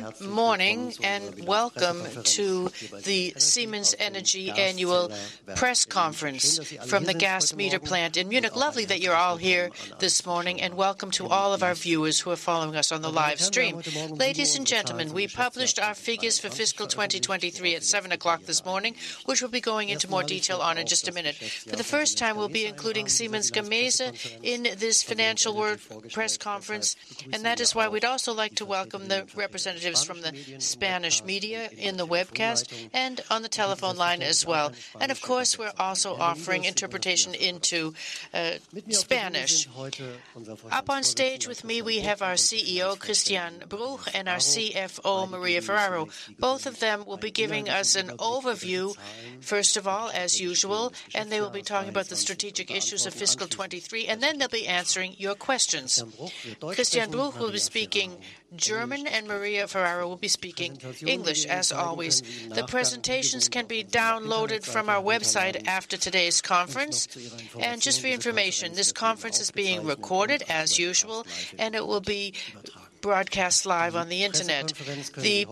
Good morning, and welcome to the Siemens Energy Annual Press Conference from the gas meter plant in Munich. Lovely that you're all here this morning, and welcome to all of our viewers who are following us on the live stream. Ladies and gentlemen, we published our figures for fiscal 2023 at 7:00 A.M. this morning, which we'll be going into more detail on in just a minute. For the first time, we'll be including Siemens Gamesa in this financial world press conference, and that is why we'd also like to welcome the representatives from the Spanish media in the webcast and on the telephone line as well. And of course, we're also offering interpretation into Spanish. Up on stage with me, we have our CEO, Christian Bruch, and our CFO, Maria Ferraro. Both of them will be giving us an overview, first of all, as usual, and they will be talking about the strategic issues of fiscal 2023, and then they'll be answering your questions. Christian Bruch will be speaking German, and Maria Ferraro will be speaking English, as always. The presentations can be downloaded from our website after today's conference. Just for your information, this conference is being recorded as usual, and it will be broadcast live on the Internet. The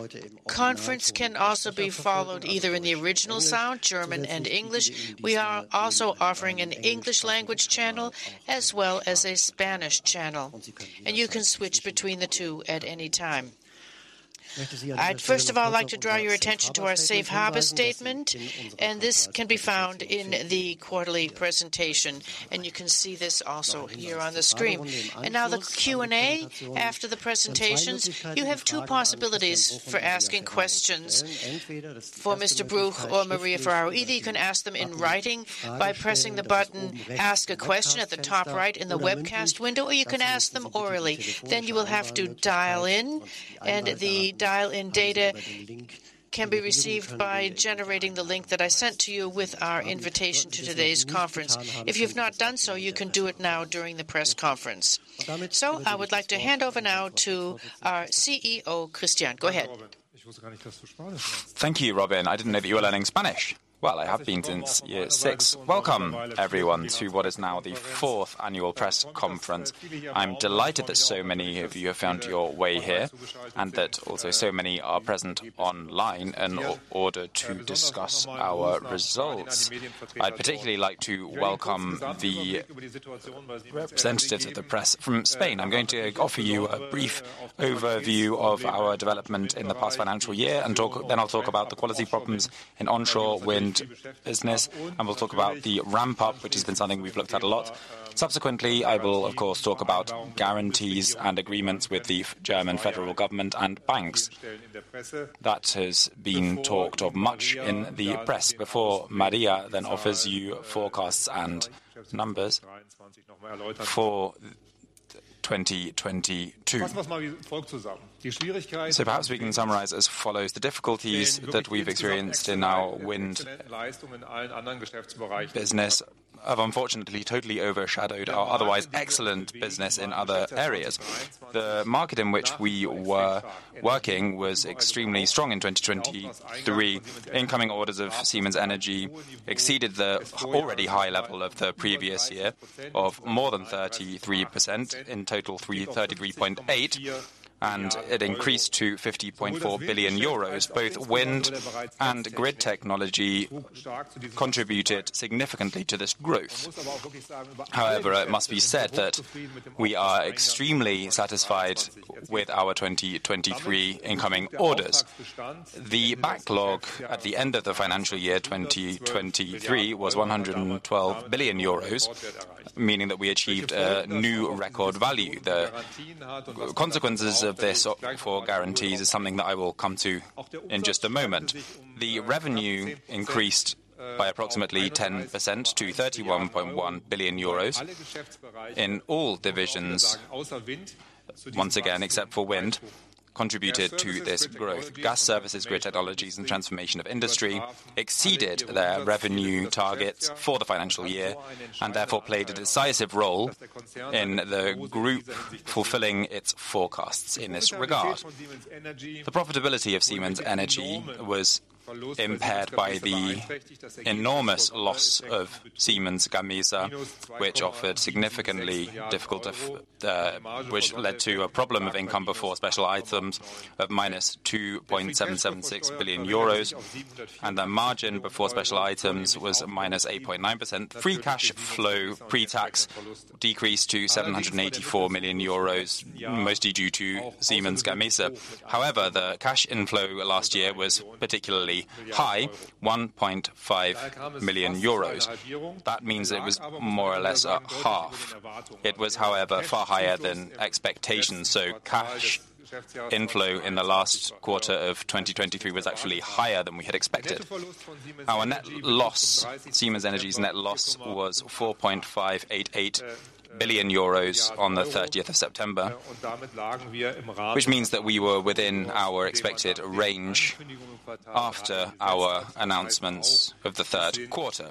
conference can also be followed either in the original sound: German and English. We are also offering an English language channel, as well as a Spanish channel, and you can switch between the two at any time. I'd first of all like to draw your attention to our safe harbor statement, and this can be found in the quarterly presentation, and you can see this also here on the screen. And now, the Q&A after the presentations, you have two possibilities for asking questions for Mr. Bruch or Maria Ferraro. Either you can ask them in writing by pressing the button, Ask a Question, at the top right in the webcast window, or you can ask them orally. Then you will have to dial in, and the dial-in data can be received by generating the link that I sent to you with our invitation to today's conference. If you've not done so, you can do it now during the press conference. So I would like to hand over now to our CEO, Christian. Go ahead. Thank you, Robin. I didn't know that you were learning Spanish. Well, I have been since year six. Welcome, everyone, to what is now the fourth annual press conference. I'm delighted that so many of you have found your way here, and that also so many are present online in order to discuss our results. I'd particularly like to welcome the representatives of the press from Spain. I'm going to offer you a brief overview of our development in the past financial year and talk. Then I'll talk about the quality problems in onshore wind business, and we'll talk about the ramp-up, which has been something we've looked at a lot. Subsequently, I will, of course, talk about guarantees and agreements with the German federal government and banks. That has been talked of much in the press before Maria then offers you forecasts and numbers for 2022. Perhaps we can summarize as follows: the difficulties that we've experienced in our wind business have unfortunately totally overshadowed our otherwise excellent business in other areas. The market in which we were working was extremely strong in 2023. Incoming orders of Siemens Energy exceeded the already high level of the previous year of more than 33%, in total 33.8, and it increased to 50.4 billion euros. Both wind and grid technology contributed significantly to this growth. However, it must be said that we are extremely satisfied with our 2023 incoming orders. The backlog at the end of the financial year, 2023, was 112 billion euros, meaning that we achieved a new record value. The consequences of this for guarantees is something that I will come to in just a moment. The revenue increased by approximately 10% to 31.1 billion euros in all divisions, once again, except for wind, contributed to this growth. Gas Services, Grid Tchnologies, and Transformation of Industry exceeded their revenue targets for the financial year, and therefore played a decisive role in the group fulfilling its forecasts in this regard. The profitability of Siemens Energy was impaired by the enormous loss of Siemens Gamesa, which offered significantly difficult, which led to a problem of income before special items of -2.776 billion euros, and the margin before special items was -8.9%. Free cash flow, pre-tax, decreased to 784 million euros, mostly due to Siemens Gamesa. However, the cash inflow last year was particularly high, 1.5 million euros. That means it was more or less up half. It was, however, far higher than expectations, so cash inflow in the last quarter of 2023 was actually higher than we had expected. Our net loss, Siemens Energy's net loss, was 4.588 billion euros on the thirtieth of September, which means that we were within our expected range after our announcements of the third quarter.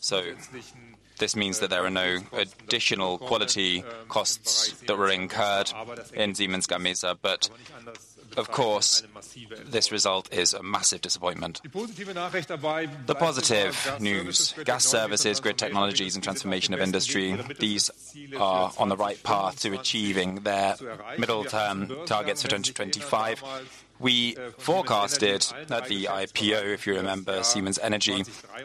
So this means that there are no additional quality costs that were incurred in Siemens Gamesa, but. Of course, this result is a massive disappointment. The positive news, Gas Services, Grid Technologies, and Transformation of Industry, these are on the right path to achieving their middle-term targets for 2025. We forecasted at the IPO, if you remember, Siemens Energy,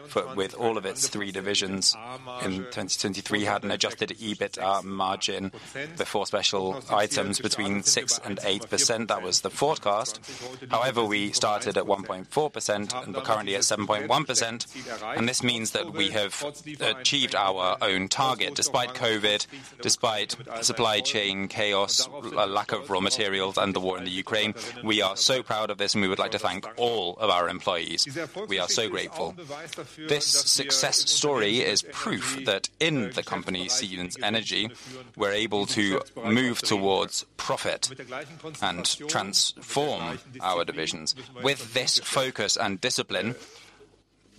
for with all of its three divisions in 2023, had an adjusted EBIT margin before special items between 6% and 8%. That was the forecast. However, we started at 1.4%, and we're currently at 7.1%, and this means that we have achieved our own target despite COVID, despite supply chain chaos, a lack of raw materials, and the war in Ukraine. We are so proud of this, and we would like to thank all of our employees. We are so grateful. This success story is proof that in the company, Siemens Energy, we're able to move towards profit and transform our divisions. With this focus and discipline,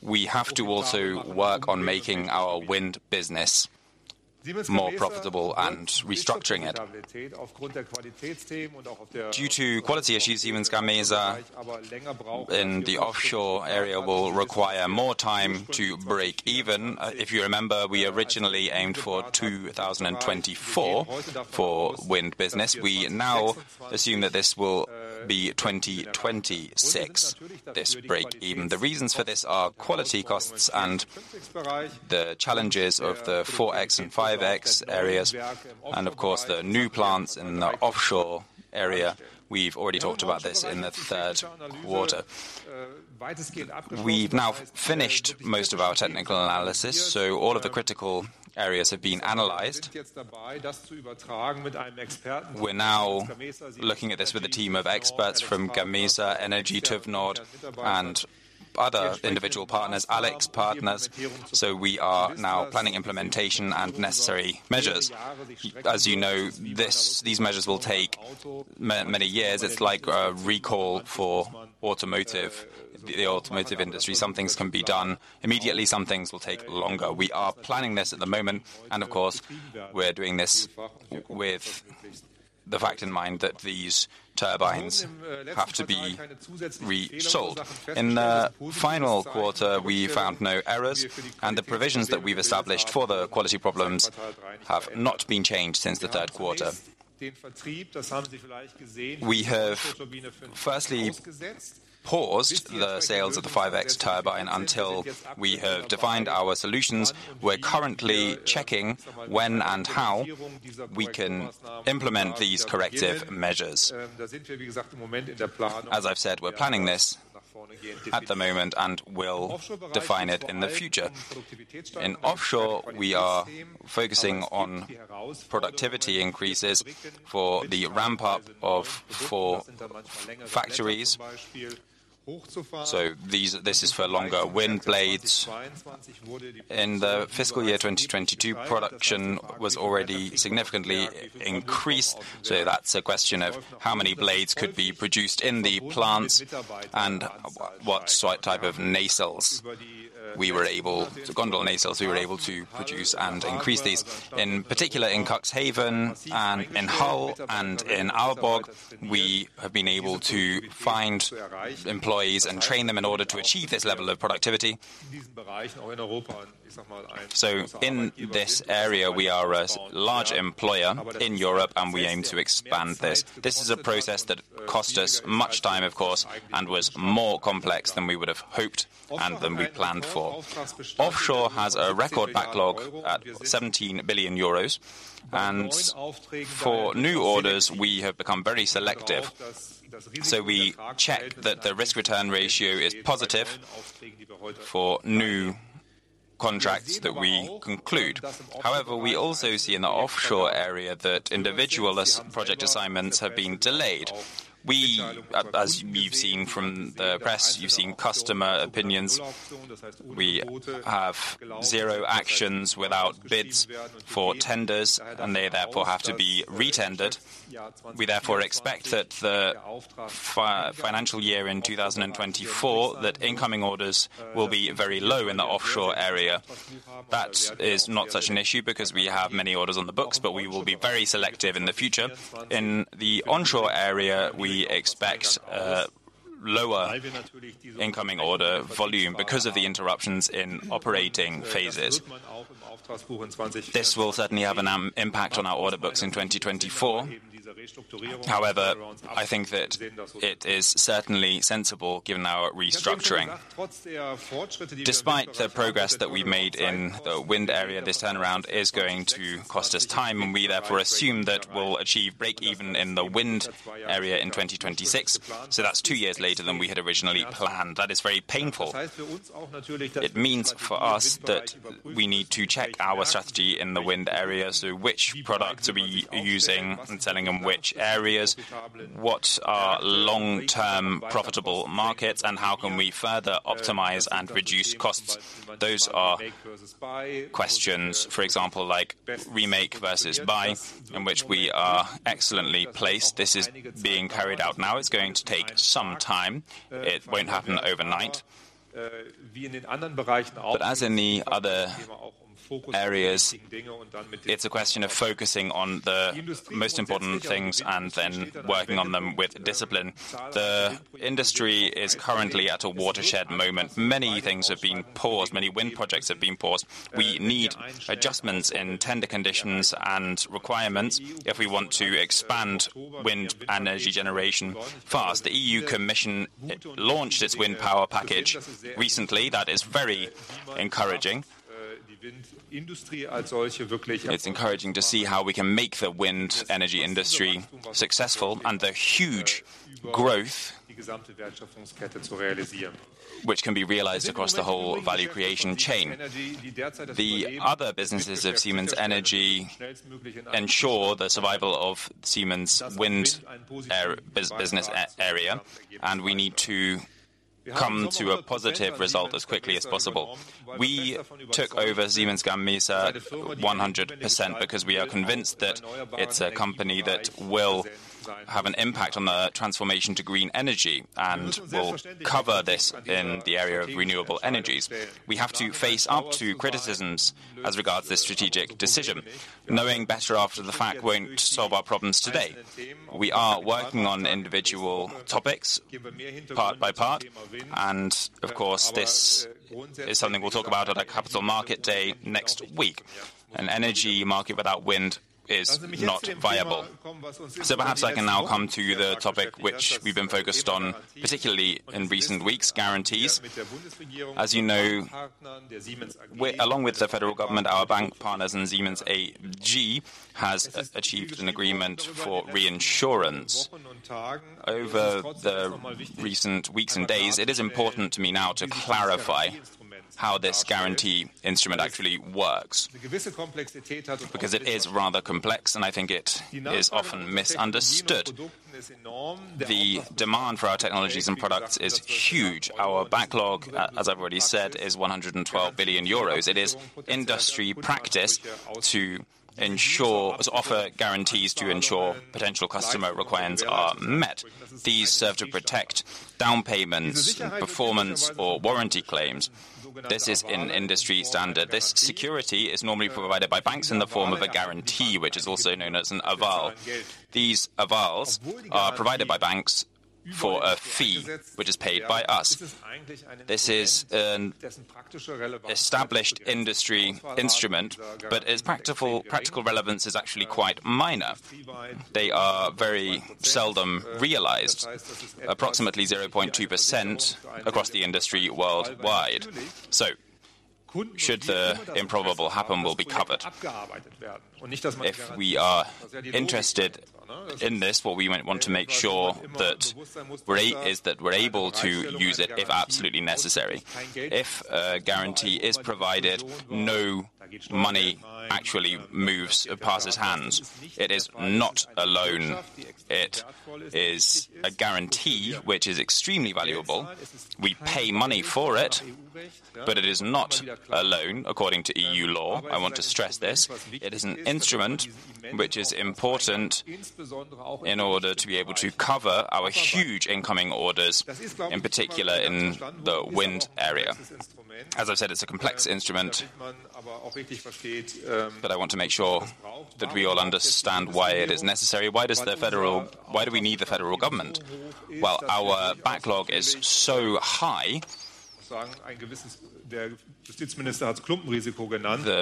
we have to also work on making our wind business more profitable and restructuring it. Due to quality issues, Siemens Gamesa, in the offshore area, will require more time to break even. If you remember, we originally aimed for 2024 for wind business. We now assume that this will be 2026, this break even. The reasons for this are quality costs and the challenges of the 4.X and 5.X areas, and of course, the new plants in the offshore area. We've already talked about this in the third quarter. We've now finished most of our technical analysis, so all of the critical areas have been analyzed. We're now looking at this with a team of experts from Gamesa, Energy, TÜV NORD, and other individual partners, AlixPartners. So we are now planning implementation and necessary measures. As you know, these measures will take many years. It's like a recall for automotive, the automotive industry. Some things can be done immediately, some things will take longer. We are planning this at the moment, and of course, we're doing this with the fact in mind that these turbines have to be resold. In the final quarter, we found no errors, and the provisions that we've established for the quality problems have not been changed since the third quarter. We have firstly paused the sales of the 5.X turbine until we have defined our solutions. We're currently checking when and how we can implement these corrective measures. As I've said, we're planning this at the moment and will define it in the future. In offshore, we are focusing on productivity increases for the ramp-up of 4 factories. So these, this is for longer wind blades. In the fiscal year 2022, production was already significantly increased, so that's a question of how many blades could be produced in the plants and what type of nacelles we were able... So gondola nacelles, we were able to produce and increase these. In particular, in Cuxhaven and in Hull and in Aalborg, we have been able to find employees and train them in order to achieve this level of productivity. So in this area, we are a large employer in Europe, and we aim to expand this. This is a process that cost us much time, of course, and was more complex than we would have hoped and than we planned for. Offshore has a record backlog at 17 billion euros, and for new orders, we have become very selective. So we check that the risk-return ratio is positive for new contracts that we conclude. However, we also see in the offshore area that individualist project assignments have been delayed. We, as we've seen from the press, you've seen customer opinions. We have zero actions without bids for tenders, and they therefore have to be re-tendered. We therefore expect that the financial year in 2024, that incoming orders will be very low in the offshore area. That is not such an issue because we have many orders on the books, but we will be very selective in the future. In the onshore area, we expect a lower incoming order volume because of the interruptions in operating phases. This will certainly have an impact on our order books in 2024. However, I think that it is certainly sensible given our restructuring. Despite the progress that we've made in the wind area, this turnaround is going to cost us time, and we therefore assume that we'll achieve break even in the wind area in 2026. So that's two years later than we had originally planned. That is very painful. It means for us that we need to check our strategy in the wind area. So which product are we using and selling in which areas? What are long-term profitable markets, and how can we further optimize and reduce costs? Those are questions, for example, like make versus buy, in which we are excellently placed. This is being carried out now. It's going to take some time. It won't happen overnight. But as in the other areas. It's a question of focusing on the most important things and then working on them with discipline. The industry is currently at a watershed moment. Many things have been paused, many wind projects have been paused. We need adjustments in tender conditions and requirements if we want to expand wind energy generation fast. The EU Commission launched its Wind Power Package recently. That is very encouraging. It's encouraging to see how we can make the wind energy industry successful and the huge growth, which can be realized across the whole value creation chain. The other businesses of Siemens Energy ensure the survival of Siemens' wind business area, and we need to come to a positive result as quickly as possible. We took over Siemens Gamesa 100% because we are convinced that it's a company that will have an impact on the transformation to green energy, and will cover this in the area of renewable energies. We have to face up to criticisms as regards this strategic decision. Knowing better after the fact won't solve our problems today. We are working on individual topics part by part, and of course, this is something we'll talk about at our capital market day next week. An energy market without wind is not viable. So perhaps I can now come to the topic which we've been focused on, particularly in recent weeks: guarantees. As you know, we along with the federal government, our bank partners and Siemens AG, has achieved an agreement for reinsurance. Over the recent weeks and days, it is important to me now to clarify how this guarantee instrument actually works, because it is rather complex, and I think it is often misunderstood. The demand for our technologies and products is huge. Our backlog, as I've already said, is 112 billion euros. It is industry practice to ensure, to offer guarantees to ensure potential customer requirements are met. These serve to protect down payments, performance or warranty claims. This is an industry standard. This security is normally provided by banks in the form of a guarantee, which is also known as an aval. These avals are provided by banks for a fee, which is paid by us. This is an established industry instrument, but its practical relevance is actually quite minor. They are very seldom realized, approximately 0.2% across the industry worldwide. So should the improbable happen, we'll be covered. If we are interested in this, what we might want to make sure is that we're able to use it if absolutely necessary. If a guarantee is provided, no money actually moves or passes hands. It is not a loan. It is a guarantee, which is extremely valuable. We pay money for it, but it is not a loan, according to EU law. I want to stress this. It is an instrument which is important in order to be able to cover our huge incoming orders, in particular in the wind area. As I've said, it's a complex instrument, but I want to make sure that we all understand why it is necessary. Why do we need the federal government? Well, our backlog is so high. The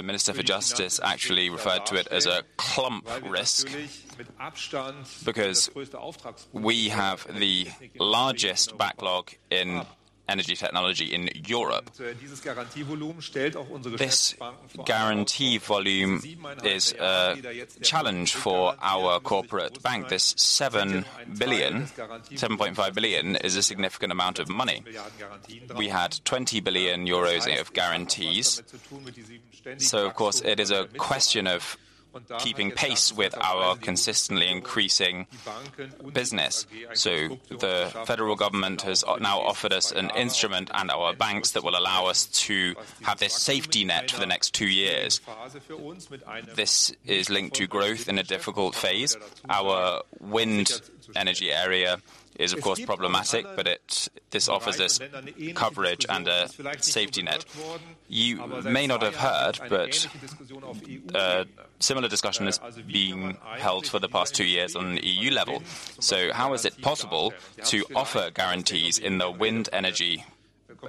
Minister for Justice actually referred to it as a Clump risk, because we have the largest backlog in energy technology in Europe. This guarantee volume is a challenge for our corporate bank. This 7 billion, 7.5 billion, is a significant amount of money. We had 20 billion euros of guarantees, so of course, it is a question of keeping pace with our consistently increasing business. So the federal government has now offered us an instrument and our banks that will allow us to have this safety net for the next two years. This is linked to growth in a difficult phase. Our wind energy area is, of course, problematic, but this offers us coverage and a safety net. You may not have heard, but a similar discussion is being held for the past two years on the EU level. So how is it possible to offer guarantees in the wind energy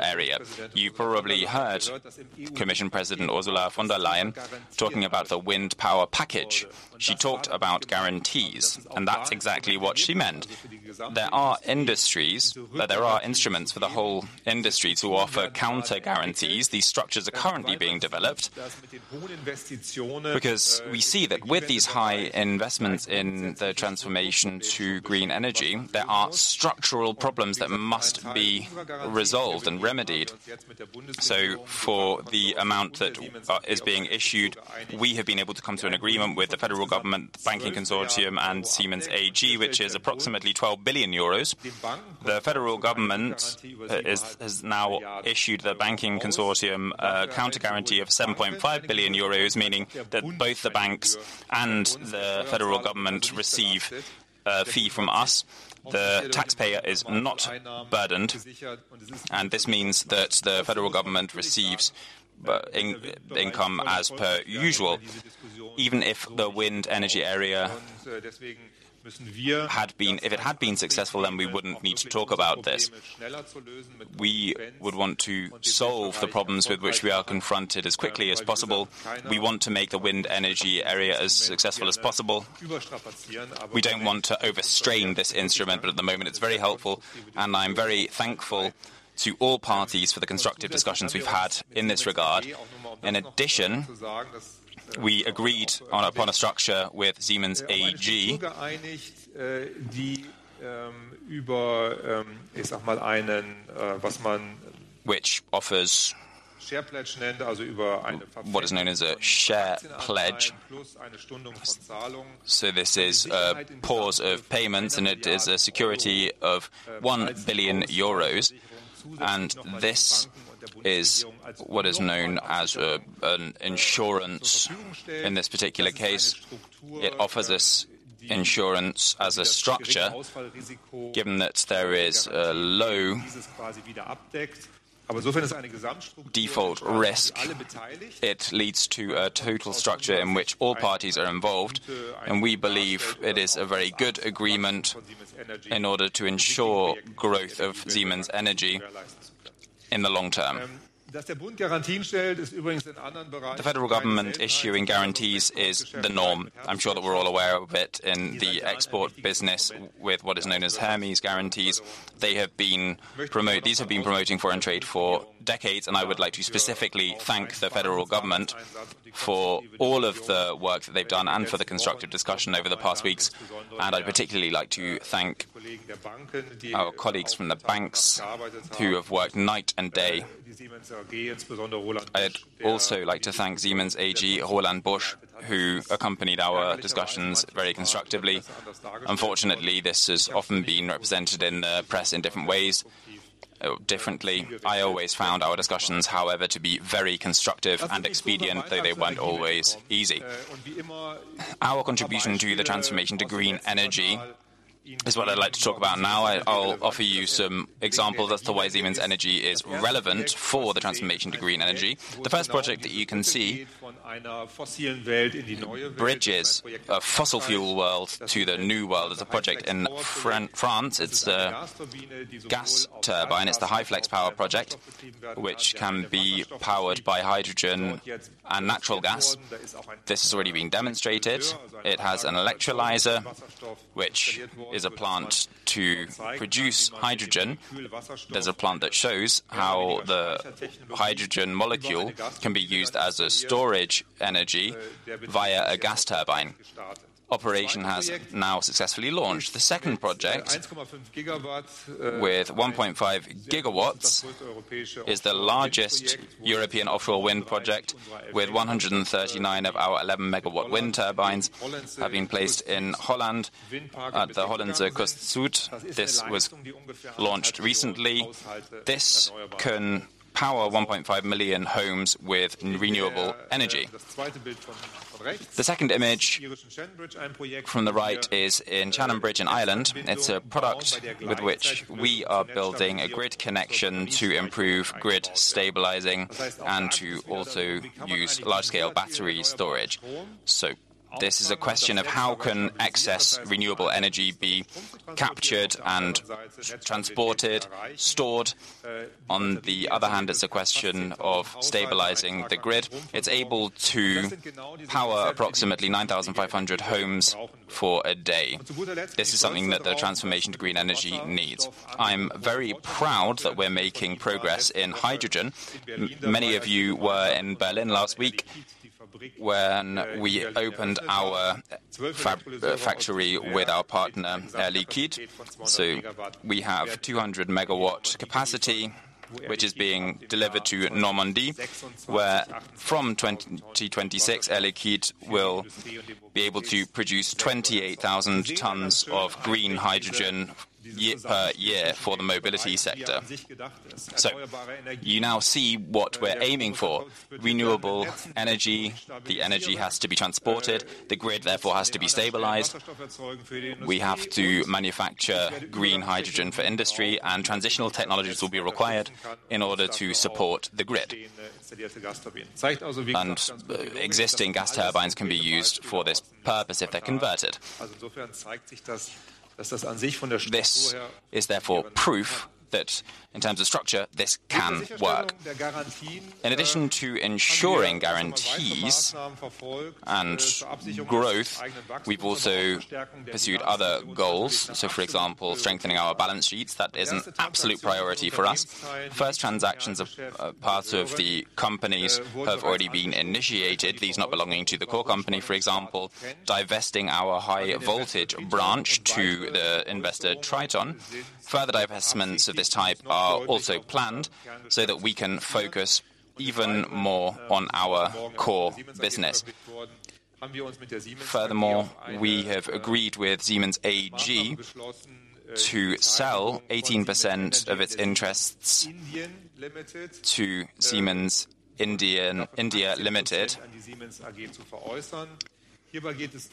area? You probably heard Commission President Ursula von der Leyen talking about the Wind Power Package. She talked about guarantees, and that's exactly what she meant. There are industries, but there are instruments for the whole industry to offer counter guarantees. These structures are currently being developed, because we see that with these high investments in the transformation to green energy, there are structural problems that must be resolved and remedied. So for the amount that is being issued, we have been able to come to an agreement with the federal government, the banking consortium and Siemens AG, which is approximately 12 billion euros. The federal government has now issued the banking consortium a counter guarantee of EUR 7.5 billion, meaning that both the banks and the federal government receive a fee from us. The taxpayer is not burdened, and this means that the federal government receives income as per usual, even if the wind energy area had been successful. If it had been successful, then we wouldn't need to talk about this. We would want to solve the problems with which we are confronted as quickly as possible. We want to make the wind energy area as successful as possible. We don't want to overstrain this instrument, but at the moment, it's very helpful, and I'm very thankful to all parties for the constructive discussions we've had in this regard. In addition, we agreed upon a structure with Siemens AG, which offers what is known as a share pledge. So this is a pause of payments, and it is a security of 1 billion euros, and this is what is known as an insurance in this particular case. It offers us insurance as a structure, given that there is a low default risk. It leads to a total structure in which all parties are involved, and we believe it is a very good agreement in order to ensure growth of Siemens Energy in the long term. The federal government issuing guarantees is the norm. I'm sure that we're all aware of it in the export business with what is known as Hermes guarantees. They have been promoting foreign trade for decades, and I would like to specifically thank the federal government for all of the work that they've done and for the constructive discussion over the past weeks. And I'd particularly like to thank our colleagues from the banks who have worked night and day. I'd also like to thank Siemens AG, Roland Busch, who accompanied our discussions very constructively. Unfortunately, this has often been represented in the press in different ways, differently. I always found our discussions, however, to be very constructive and expedient, though they weren't always easy. Our contribution to the transformation to green energy is what I'd like to talk about now. I'll offer you some examples as to why Siemens Energy is relevant for the transformation to green energy. The first project that you can see bridges a fossil fuel world to the new world. It's a project in France. It's a gas turbine. It's the HyFlexPower project, which can be powered by hydrogen and natural gas. This has already been demonstrated. It has an electrolyzer, which is a plant to produce hydrogen. There's a plant that shows how the hydrogen molecule can be used as a storage energy via a gas turbine. Operation has now successfully launched. The second project, with 1.5 gigawatts, is the largest European offshore wind project, with 139 of our 11-megawatt wind turbines have been placed in Holland at the Hollandse Kust Zuid. This was launched recently. This can power 1.5 million homes with renewable energy. The second image from the right is in Shannonbridge in Ireland. It's a product with which we are building a grid connection to improve grid stabilizing and to also use large-scale battery storage. So this is a question of how can excess renewable energy be captured and transported, stored? On the other hand, it's a question of stabilizing the grid. It's able to power approximately 9,500 homes for a day. This is something that the transformation to green energy needs. I'm very proud that we're making progress in hydrogen. Many of you were in Berlin last week when we opened our fab factory with our partner, Air Liquide. So we have 200-megawatt capacity, which is being delivered to Normandy, where from 2026, Air Liquide will be able to produce 28,000 tons of green hydrogen per year for the mobility sector. So you now see what we're aiming for: renewable energy. The energy has to be transported. The grid, therefore, has to be stabilized. We have to manufacture green hydrogen for industry, and transitional technologies will be required in order to support the grid. And existing gas turbines can be used for this purpose if they're converted. This is therefore proof that in terms of structure, this can work. In addition to ensuring guarantees and growth, we've also pursued other goals. So, for example, strengthening our balance sheets, that is an absolute priority for us. First, transactions of parts of the companies have already been initiated, these not belonging to the core company, for example, divesting our high voltage branch to the investor, Triton. Further divestments of this type are also planned so that we can focus even more on our core business. Furthermore, we have agreed with Siemens AG to sell 18% of its interests to Siemens India Limited. This,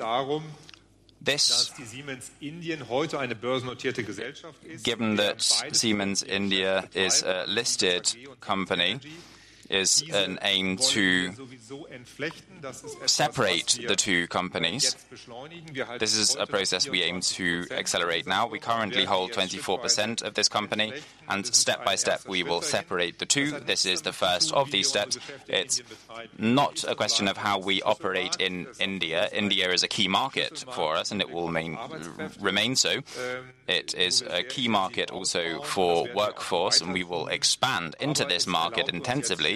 given that Siemens India is a listed company, is an aim to separate the two companies. This is a process we aim to accelerate now. We currently hold 24% of this company, and step by step, we will separate the two. This is the first of these steps. It's not a question of how we operate in India. India is a key market for us, and it will remain so. It is a key market also for workforce, and we will expand into this market intensively.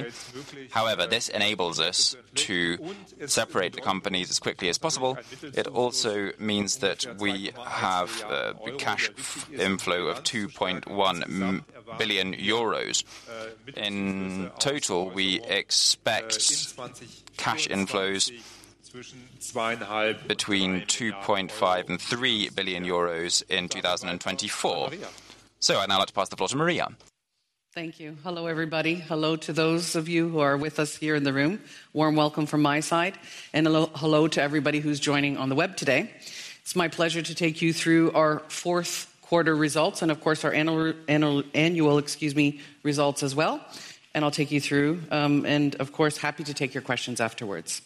However, this enables us to separate the companies as quickly as possible. It also means that we have the cash inflow of 2.1 billion euros. In total, we expect cash inflows between 2.5 billion and 3 billion euros in 2024. I'd now like to pass the floor to Maria. Thank you. Hello, everybody. Hello to those of you who are with us here in the room. Warm welcome from my side, and hello, hello to everybody who's joining on the web today. It's my pleasure to take you through our fourth quarter results and, of course, our annual, excuse me, results as well, and I'll take you through. Of course, happy to take your questions afterwards.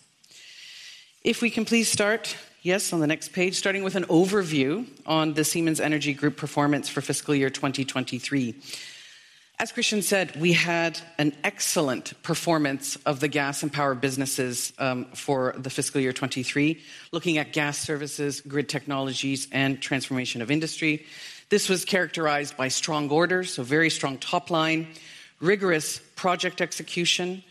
If we can please start, yes, on the next page, starting with an overview on the Siemens Energy Group performance for fiscal year 2023. As Christian said, we had an excellent performance of the gas and power businesses for the fiscal year 2023. Looking at gas services, grid technologies, and transformation of industry. This was characterized by strong orders, so very strong top line, rigorous project execution,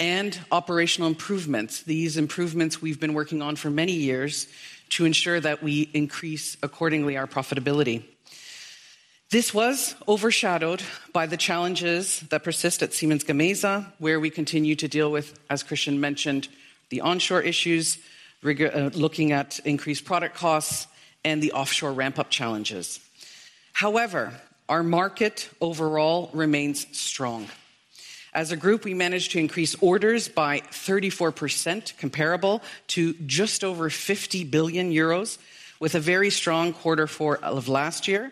and operational improvements. These improvements we've been working on for many years to ensure that we increase accordingly our profitability. This was overshadowed by the challenges that persist at Siemens Gamesa, where we continue to deal with, as Christian mentioned, the onshore issues, rigorously looking at increased product costs and the offshore ramp-up challenges. However, our market overall remains strong. As a group, we managed to increase orders by 34%, comparable to just over 50 billion euros, with a very strong quarter four of last year.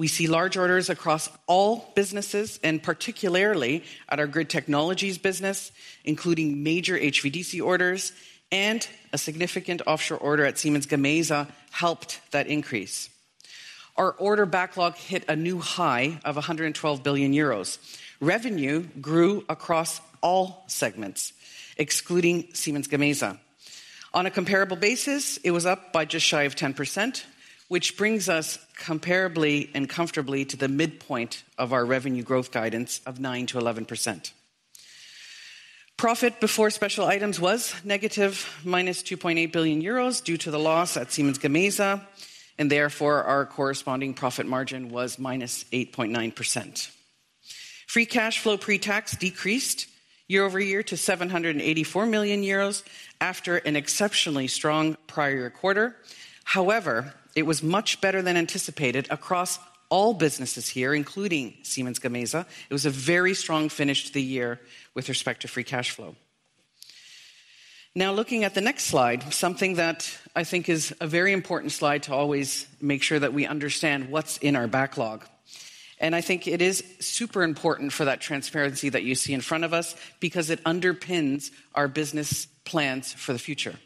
We see large orders across all businesses, and particularly at our Grid Technologies business, including major HVDC orders and a significant offshore order at Siemens Gamesa helped that increase. Our order backlog hit a new high of 112 billion euros. Revenue grew across all segments, excluding Siemens Gamesa. On a comparable basis, it was up by just shy of 10%, which brings us comparably and comfortably to the midpoint of our revenue growth guidance of 9%-11%. Profit before special items was negative, -2.8 billion euros, due to the loss at Siemens Gamesa, and therefore, our corresponding profit margin was -8.9%. Free cash flow pre-tax decreased year-over-year to 784 million euros after an exceptionally strong prior quarter. However, it was much better than anticipated across all businesses here, including Siemens Gamesa. It was a very strong finish to the year with respect to free cash flow. Now, looking at the next slide, something that I think is a very important slide to always make sure that we understand what's in our backlog. I think it is super important for that transparency that you see in front of us because it underpins our business plans for the future.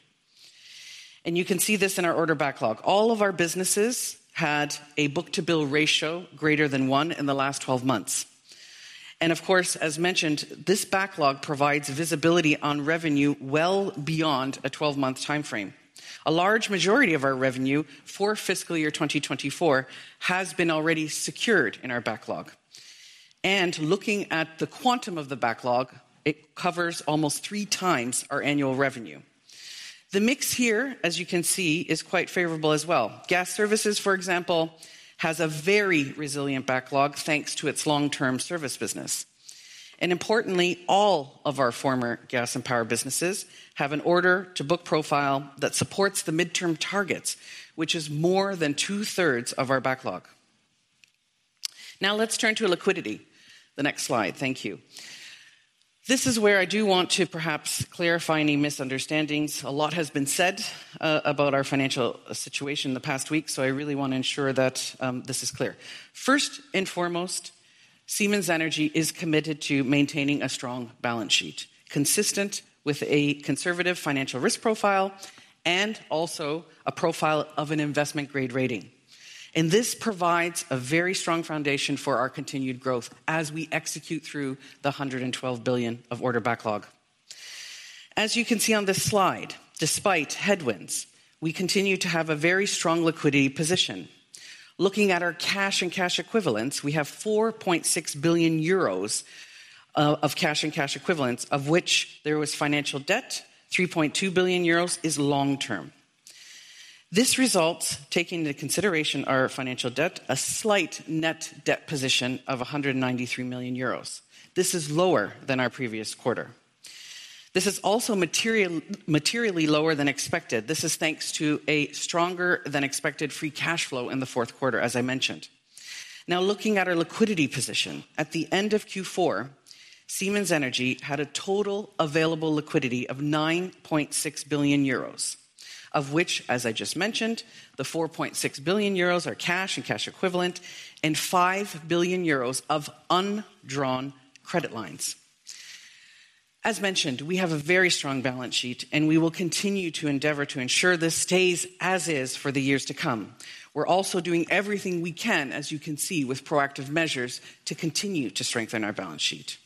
You can see this in our order backlog. All of our businesses had a book-to-bill ratio greater than 1 in the last 12 months. Of course, as mentioned, this backlog provides visibility on revenue well beyond a 12-month timeframe. A large majority of our revenue for fiscal year 2024 has been already secured in our backlog. Looking at the quantum of the backlog, it covers almost three times our annual revenue. The mix here, as you can see, is quite favorable as well. Gas Services, for example, has a very resilient backlog, thanks to its long-term service business. Importantly, all of our former gas and power businesses have an order-to-book profile that supports the midterm targets, which is more than two-thirds of our backlog. Now, let's turn to liquidity. The next slide. Thank you. This is where I do want to perhaps clarify any misunderstandings. A lot has been said about our financial situation in the past week, so I really want to ensure that this is clear. First and foremost, Siemens Energy is committed to maintaining a strong balance sheet, consistent with a conservative financial risk profile and also a profile of an investment-grade rating. This provides a very strong foundation for our continued growth as we execute through the 112 billion order backlog. As you can see on this slide, despite headwinds, we continue to have a very strong liquidity position. Looking at our cash and cash equivalents, we have 4.6 billion euros of cash and cash equivalents, of which there was financial debt, 3.2 billion euros is long-term. This results, taking into consideration our financial debt, a slight net debt position of 193 million euros. This is lower than our previous quarter. This is also materially lower than expected. This is thanks to a stronger-than-expected free cash flow in the fourth quarter, as I mentioned. Now, looking at our liquidity position, at the end of Q4, Siemens Energy had a total available liquidity of 9.6 billion euros, of which, as I just mentioned, the 4.6 billion euros are cash and cash equivalent, and 5 billion euros of undrawn credit lines. As mentioned, we have a very strong balance sheet, and we will continue to endeavor to ensure this stays as is for the years to come. We're also doing everything we can, as you can see, with proactive measures, to continue to strengthen our balance sheet.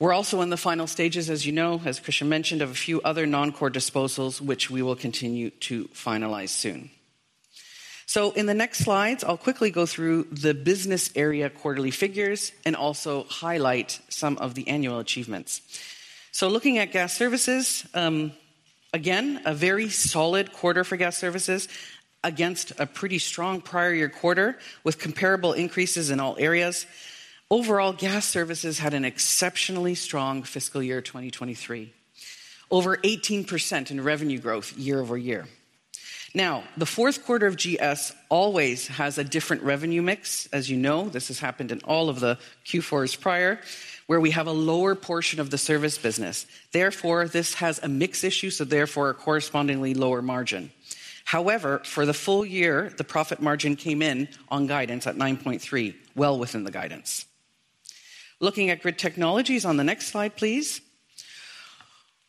We're also in the final stages, as you know, as Christian mentioned, of a few other non-core disposals, which we will continue to finalize soon. So in the next slides, I'll quickly go through the business area quarterly figures and also highlight some of the annual achievements. So looking at Gas Services, again, a very solid quarter for Gas Services against a pretty strong prior year quarter, with comparable increases in all areas. Overall, Gas Services had an exceptionally strong fiscal year 2023. Over 18% in revenue growth year-over-year. Now, the fourth quarter of GS always has a different revenue mix. As you know, this has happened in all of the Q4s prior, where we have a lower portion of the service business. Therefore, this has a mix issue, so therefore, a correspondingly lower margin. However, for the full year, the profit margin came in on guidance at 9.3, well within the guidance. Looking at Grid Technologies on the next slide, please.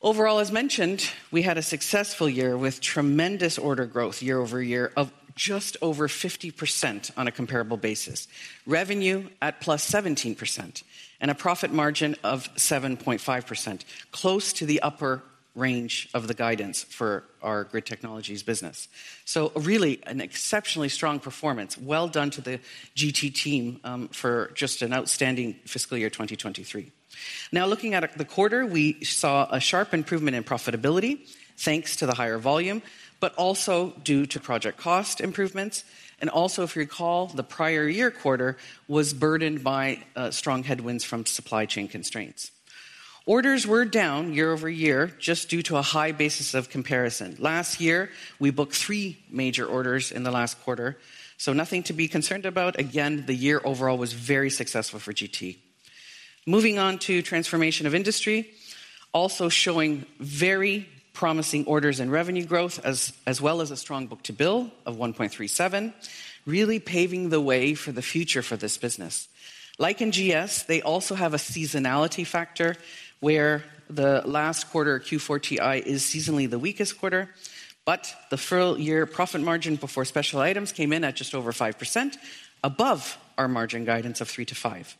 Overall, as mentioned, we had a successful year with tremendous order growth year-over-year of just over 50% on a comparable basis. Revenue at +17% and a profit margin of 7.5%, close to the upper range of the guidance for our Grid Technologies business. So really an exceptionally strong performance. Well done to the GT team for just an outstanding fiscal year 2023. Now, looking at the quarter, we saw a sharp improvement in profitability, thanks to the higher volume, but also due to project cost improvements. And also, if you recall, the prior year quarter was burdened by strong headwinds from supply chain constraints. Orders were down year-over-year, just due to a high basis of comparison. Last year, we booked three major orders in the last quarter, so nothing to be concerned about. Again, the year overall was very successful for GT. Moving on to Transformation of Industry, also showing very promising orders and revenue growth, as well as a strong book-to-bill of 1.37, really paving the way for the future for this business. Like in GS, they also have a seasonality factor where the last quarter, Q4 TI, is seasonally the weakest quarter, but the full year profit margin before special items came in at just over 5%, above our margin guidance of 3%-5%.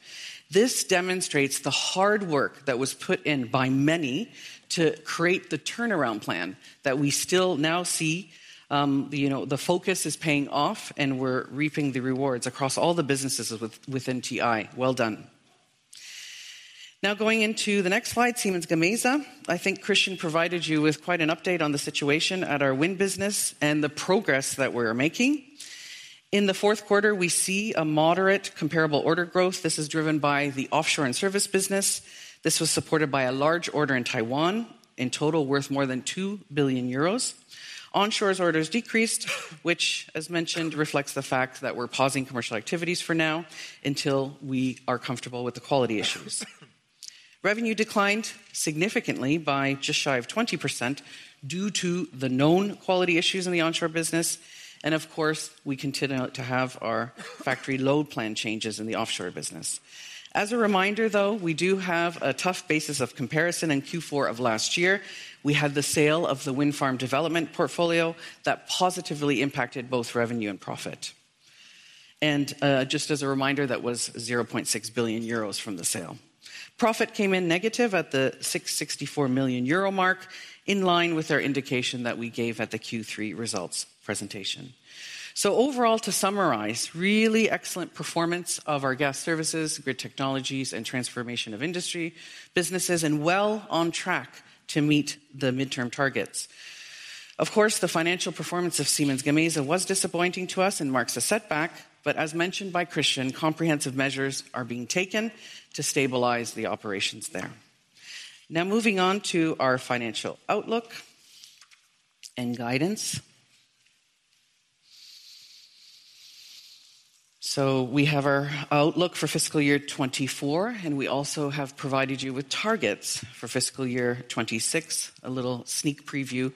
This demonstrates the hard work that was put in by many to create the turnaround plan that we still now see, you know, the focus is paying off, and we're reaping the rewards across all the businesses with, within TI. Well done. Now, going into the next slide, Siemens Gamesa. I think Christian provided you with quite an update on the situation at our wind business and the progress that we're making. In the fourth quarter, we see a moderate comparable order growth. This is driven by the offshore and service business. This was supported by a large order in Taiwan, in total worth more than 2 billion euros. Onshore's orders decreased, which, as mentioned, reflects the fact that we're pausing commercial activities for now until we are comfortable with the quality issues. Revenue declined significantly by just shy of 20% due to the known quality issues in the onshore business. Of course, we continue to have our factory load plan changes in the offshore business. As a reminder, though, we do have a tough basis of comparison. In Q4 of last year, we had the sale of the wind farm development portfolio that positively impacted both revenue and profit. Just as a reminder, that was 0.6 billion euros from the sale. Profit came in negative at the 664 million euro mark, in line with our indication that we gave at the Q3 results presentation. So overall, to summarize, really excellent performance of our Gas Services, Grid Technologies, and Transformation of Industry businesses, and well on track to meet the midterm targets. Of course, the financial performance of Siemens Gamesa was disappointing to us and marks a setback, but as mentioned by Christian, comprehensive measures are being taken to stabilize the operations there. Now, moving on to our financial outlook and guidance. So we have our outlook for fiscal year 2024, and we also have provided you with targets for fiscal year 2026, a little sneak preview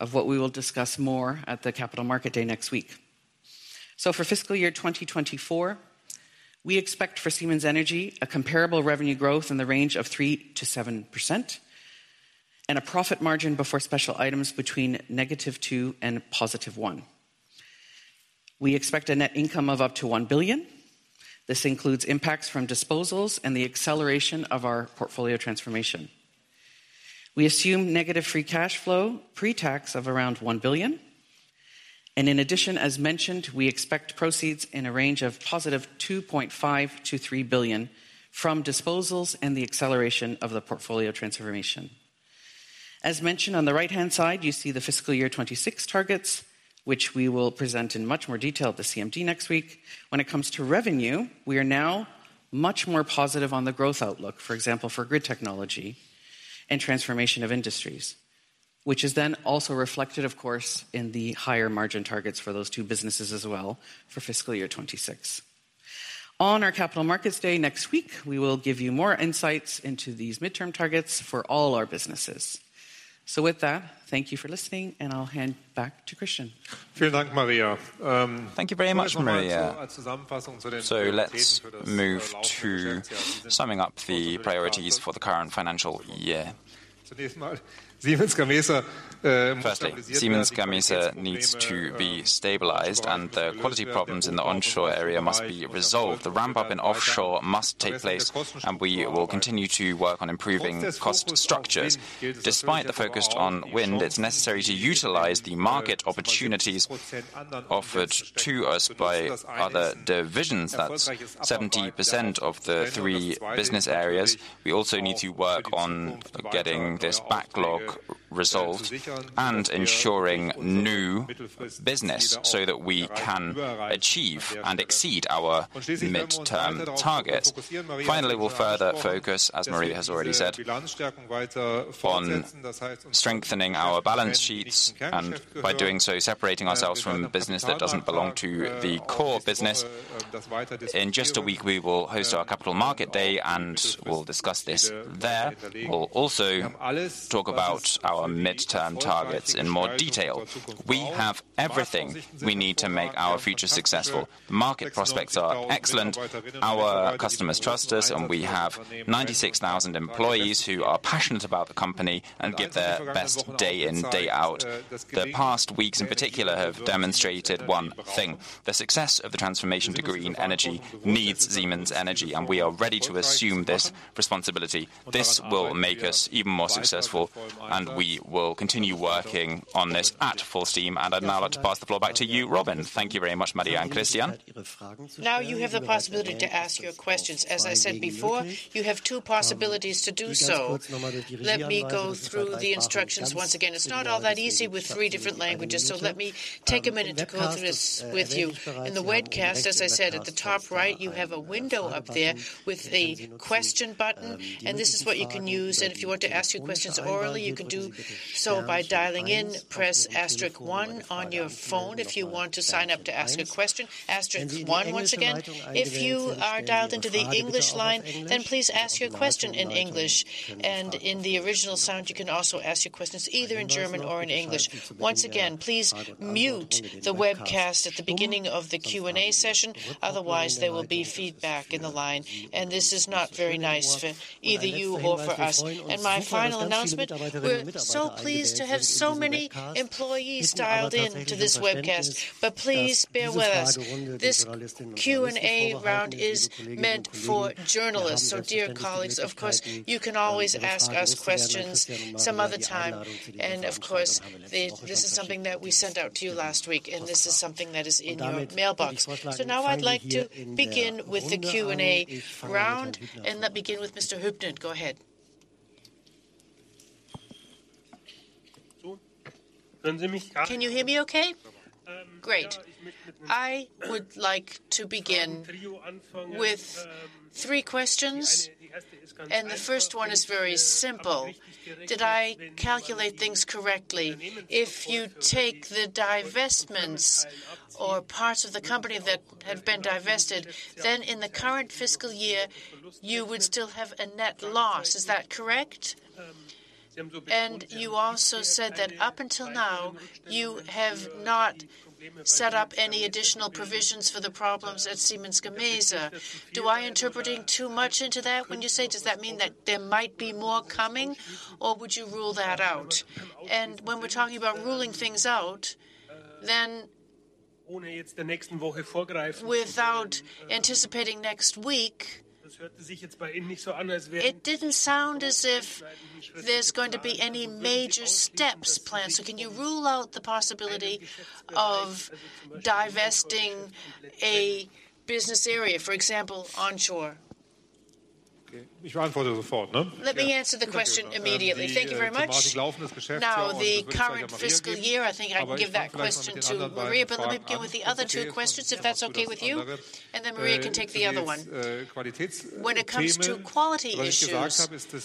of what we will discuss more at the Capital Market Day next week. So for fiscal year 2024, we expect for Siemens Energy, a comparable revenue growth in the range of 3%-7%, and a profit margin before special items between -2% and +1%. We expect a net income of up to 1 billion. This includes impacts from disposals and the acceleration of our portfolio transformation. We assume negative free cash flow, pre-tax of around 1 billion. In addition, as mentioned, we expect proceeds in a range of 2.5 billion-3 billion from disposals and the acceleration of the portfolio transformation. As mentioned, on the right-hand side, you see the fiscal year 2026 targets, which we will present in much more detail at the CMD next week. When it comes to revenue, we are now much more positive on the growth outlook, for example, for Grid Technology and Transformation of Industries, which is then also reflected, of course, in the higher margin targets for those two businesses as well for fiscal year 2026. On our Capital Markets Day next week, we will give you more insights into these midterm targets for all our businesses. So with that, thank you for listening, and I'll hand back to Christian. Thank you very much, Maria. So let's move to summing up the priorities for the current financial year. Firstly, Siemens Gamesa needs to be stabilized, and the quality problems in the onshore area must be resolved. The ramp-up in offshore must take place, and we will continue to work on improving cost structures. Despite the focus on wind, it's necessary to utilize the market opportunities offered to us by other divisions. That's 70% of the three business areas. We also need to work on getting this backlog resolved and ensuring new business, so that we can achieve and exceed our midterm targets. Finally, we'll further focus, as Maria has already said, on strengthening our balance sheets, and by doing so, separating ourselves from the business that doesn't belong to the core business. In just a week, we will host our Capital Market Day, and we'll discuss this there. We'll also talk about our midterm targets in more detail. We have everything we need to make our future successful. Market prospects are excellent. Our customers trust us, and we have 96,000 employees who are passionate about the company and give their best day in, day out. The past weeks, in particular, have demonstrated one thing: the success of the transformation to green energy needs Siemens Energy, and we are ready to assume this responsibility. This will make us even more successful, and we will continue working on this at full steam. And I'd now like to pass the floor back to you, Robin. Thank you very much, Maria and Christian. Now you have the possibility to ask your questions. As I said before, you have two possibilities to do so. Let me go through the instructions once again. It's not all that easy with three different languages, so let me take a minute to go through this with you. In the webcast, as I said, at the top right, you have a window up there with a question button, and this is what you can use. And if you want to ask your questions orally, you can do so by dialing in. Press asterisk one on your phone if you want to sign up to ask a question. Asterisk one, once again. If you are dialed into the English line, then please ask your question in English, and in the original sound, you can also ask your questions either in German or in English. Once again, please mute the webcast at the beginning of the Q&A session, otherwise there will be feedback in the line, and this is not very nice for either you or for us. My final announcement, we're so pleased to have so many employees dialed in to this webcast, but please bear with us. This Q&A round is meant for journalists. Dear colleagues, of course, you can always ask us questions some other time. Of course, this is something that we sent out to you last week, and this is something that is in your mailbox. Now I'd like to begin with the Q&A round, and let's begin with Mr. Hübner. Go ahead. Can you hear me okay? Great. I would like to begin with three questions, and the first one is very simple: Did I calculate things correctly? If you take the divestments or parts of the company that have been divested, then in the current fiscal year, you would still have a net loss. Is that correct? And you also said that up until now, you have not set up any additional provisions for the problems at Siemens Gamesa. Am I interpreting too much into that when you say, does that mean that there might be more coming, or would you rule that out? And when we're talking about ruling things out, then, without anticipating next week, it didn't sound as if there's going to be any major steps planned. So can you rule out the possibility of divesting a business area, for example, onshore? Let me answer the question immediately. Thank you very much. Now, the current fiscal year, I think I can give that question to Maria, but let me begin with the other two questions, if that's okay with you, and then Maria can take the other one. When it comes to quality issues,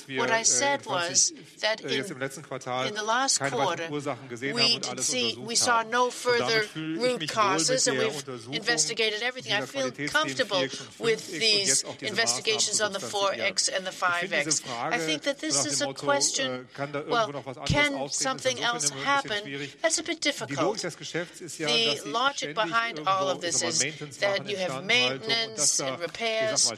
what I said was that in, in the last quarter, we saw no further root causes, and we've investigated everything. I feel comfortable with these investigations on the 4.X and the 5.X. I think that this is a question, well, can something else happen? That's a bit difficult. The logic behind all of this is that you have maintenance and repairs,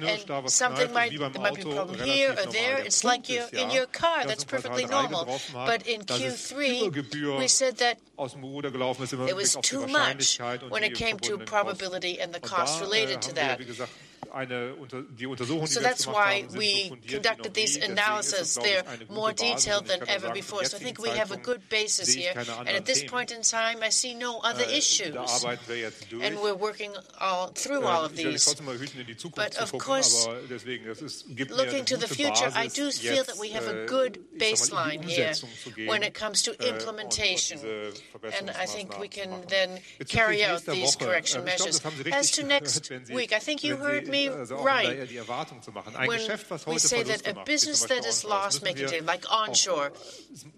and something might, there might be a problem here or there. It's like your, in your car, that's perfectly normal. But in Q3, we said that there was too much when it came to probability and the cost related to that. So that's why we conducted this analysis there, more detailed than ever before. So I think we have a good basis here, and at this point in time, I see no other issues, and we're working all through all of these. But of course, looking to the future, I do feel that we have a good baseline here when it comes to implementation, and I think we can then carry out these correction measures. As to next week, I think you heard me right. When we say that a business that is loss-making, like onshore,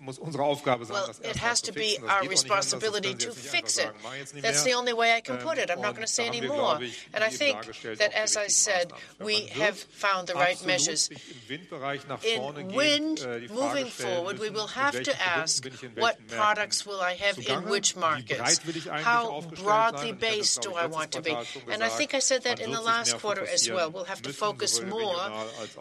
well, it has to be our responsibility to fix it. That's the only way I can put it. I'm not going to say any more. And I think that, as I said, we have found the right measures. In wind, moving forward, we will have to ask, "What products will I have in which markets? How broadly based do I want to be?" And I think I said that in the last quarter as well. We'll have to focus more,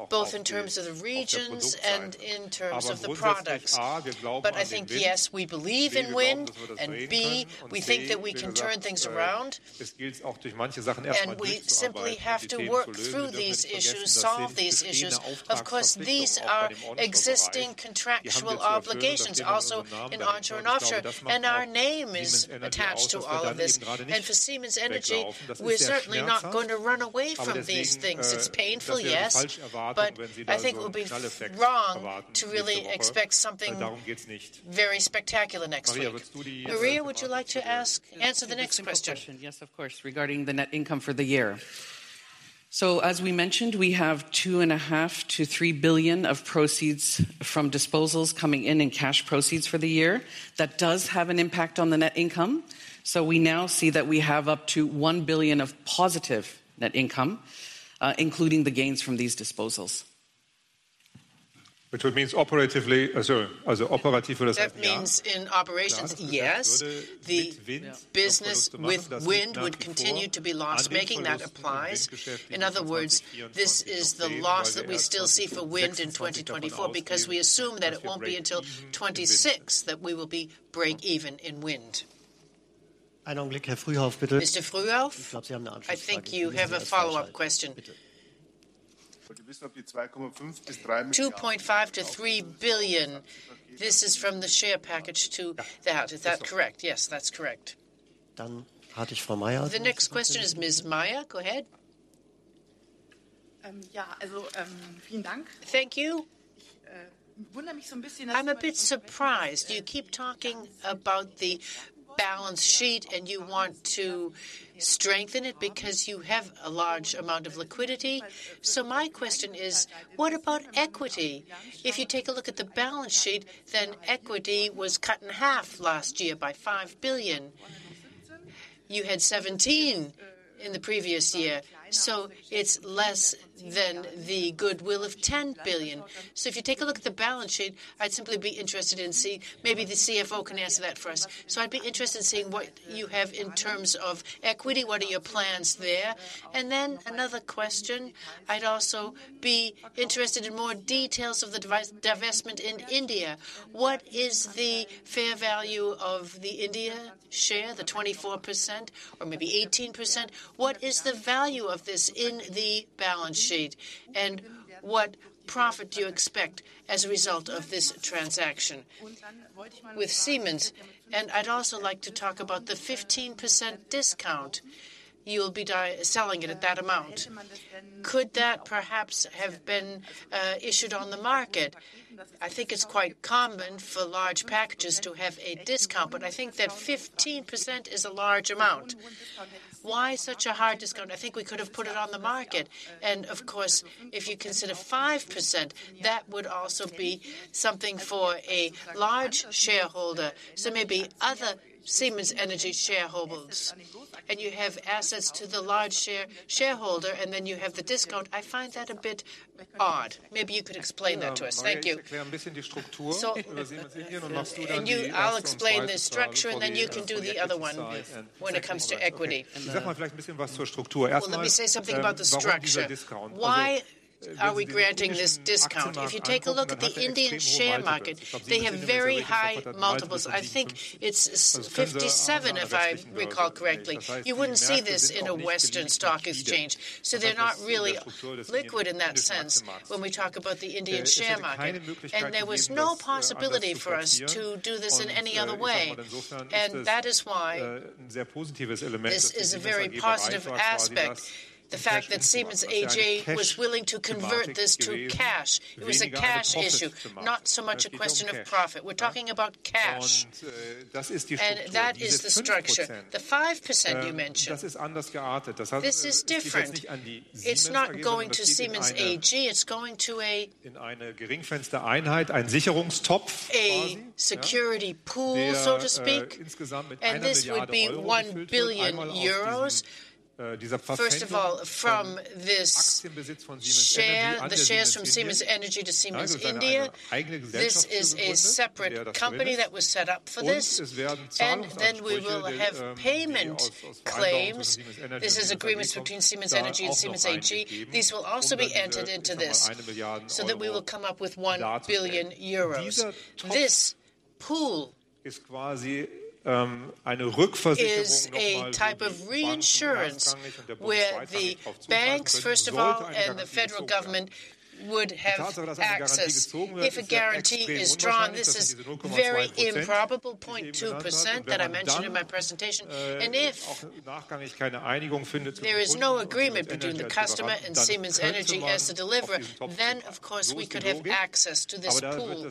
both in terms of the regions and in terms of the products. But I think, yes, we believe in wind, and B, we think that we can turn things around, and we simply have to work through these issues, solve these issues. Of course, these are existing contractual obligations, also in onshore and offshore, and our name is attached to all of this. And for Siemens Energy, we're certainly not going to run away from these things. It's painful, yes, but I think it would be wrong to really expect something very spectacular next week. Maria, would you like to answer the next question? Yes, of course, regarding the net income for the year. So as we mentioned, we have 2.5 billion-3 billion of proceeds from disposals coming in, in cash proceeds for the year. That does have an impact on the net income, so we now see that we have up to 1 billion of positive net income, including the gains from these disposals. Which would mean operatively, as a operative. That means in operations, yes, the business with wind would continue to be loss-making. That applies. In other words, this is the loss that we still see for wind in 2024, because we assume that it won't be until 2026 that we will be breakeven in wind. I don't think I have follow-up. Mr. Frühauf, I think you have a follow-up question. 2.5 billion-3 billion. This is from the share package to that. Is that correct? Yes, that's correct. Then I have Ms. Maier. The next question is Ms. Maier. Go ahead. Yeah. So, thank you. I'm a bit surprised. You keep talking about the balance sheet, and you want to strengthen it because you have a large amount of liquidity. So my question is: What about equity? If you take a look at the balance sheet, then equity was cut in half last year by 5 billion. You had 17 billion in the previous year, so it's less than the goodwill of 10 billion. So if you take a look at the balance sheet, I'd simply be interested in seeing, maybe the CFO can answer that for us. So I'd be interested in seeing what you have in terms of equity. What are your plans there? And then another question. I'd also be interested in more details of the divestment in India. What is the fair value of the India share, the 24% or maybe 18%? What is the value of this in the balance sheet? And what profit do you expect as a result of this transaction with Siemens? And I'd also like to talk about the 15% discount. You'll be selling it at that amount. Could that perhaps have been issued on the market? I think it's quite common for large packages to have a discount, but I think that 15% is a large amount. Why such a high discount? I think we could have put it on the market, and of course, if you consider 5%, that would also be something for a large shareholder. So maybe other Siemens Energy shareholders, and you have assets to the large shareholder, and then you have the discount. I find that a bit odd. Maybe you could explain that to us. Thank you. So, I'll explain the structure, and then you can do the other one when it comes to equity. Well, let me say something about the structure. Why are we granting this discount? If you take a look at the Indian share market, they have very high multiples. I think it's 57, if I recall correctly. You wouldn't see this in a Western stock exchange, so they're not really liquid in that sense when we talk about the Indian share market. And there was no possibility for us to do this in any other way, and that is why this is a very positive aspect. The fact that Siemens AG was willing to convert this to cash. It was a cash issue, not so much a question of profit. We're talking about cash, and that is the structure. The 5% you mentioned, this is different. It's not going to Siemens AG, it's going to a security pool, so to speak, and this would be 1 billion euros. First of all, from this share, the shares from Siemens Energy to Siemens India, this is a separate company that was set up for this, and then we will have payment claims. This is agreements between Siemens Energy and Siemens AG. These will also be entered into this, so that we will come up with 1 billion euros. This pool is a type of reinsurance where the banks, first of all, and the federal government would have access. If a guarantee is drawn, this is very improbable, 0.2%, that I mentioned in my presentation. If there is no agreement between the customer and Siemens Energy as the deliverer, then of course we could have access to this pool.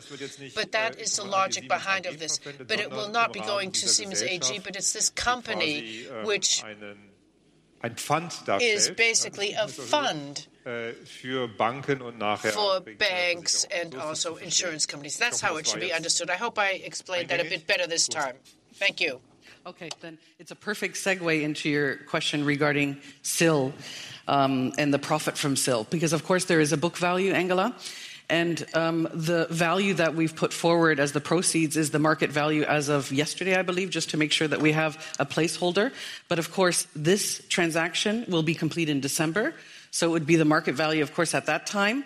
That is the logic behind of this. It will not be going to Siemens AG, but it's this company which is basically a fund for banks and also insurance companies. That's how it should be understood. I hope I explained that a bit better this time. Thank you. Okay, then it's a perfect segue into your question regarding SIL, and the profit from SIL, because of course, there is a book value, Angela, and, the value that we've put forward as the proceeds is the market value as of yesterday, I believe, just to make sure that we have a placeholder. But of course, this transaction will be complete in December, so it would be the market value, of course, at that time,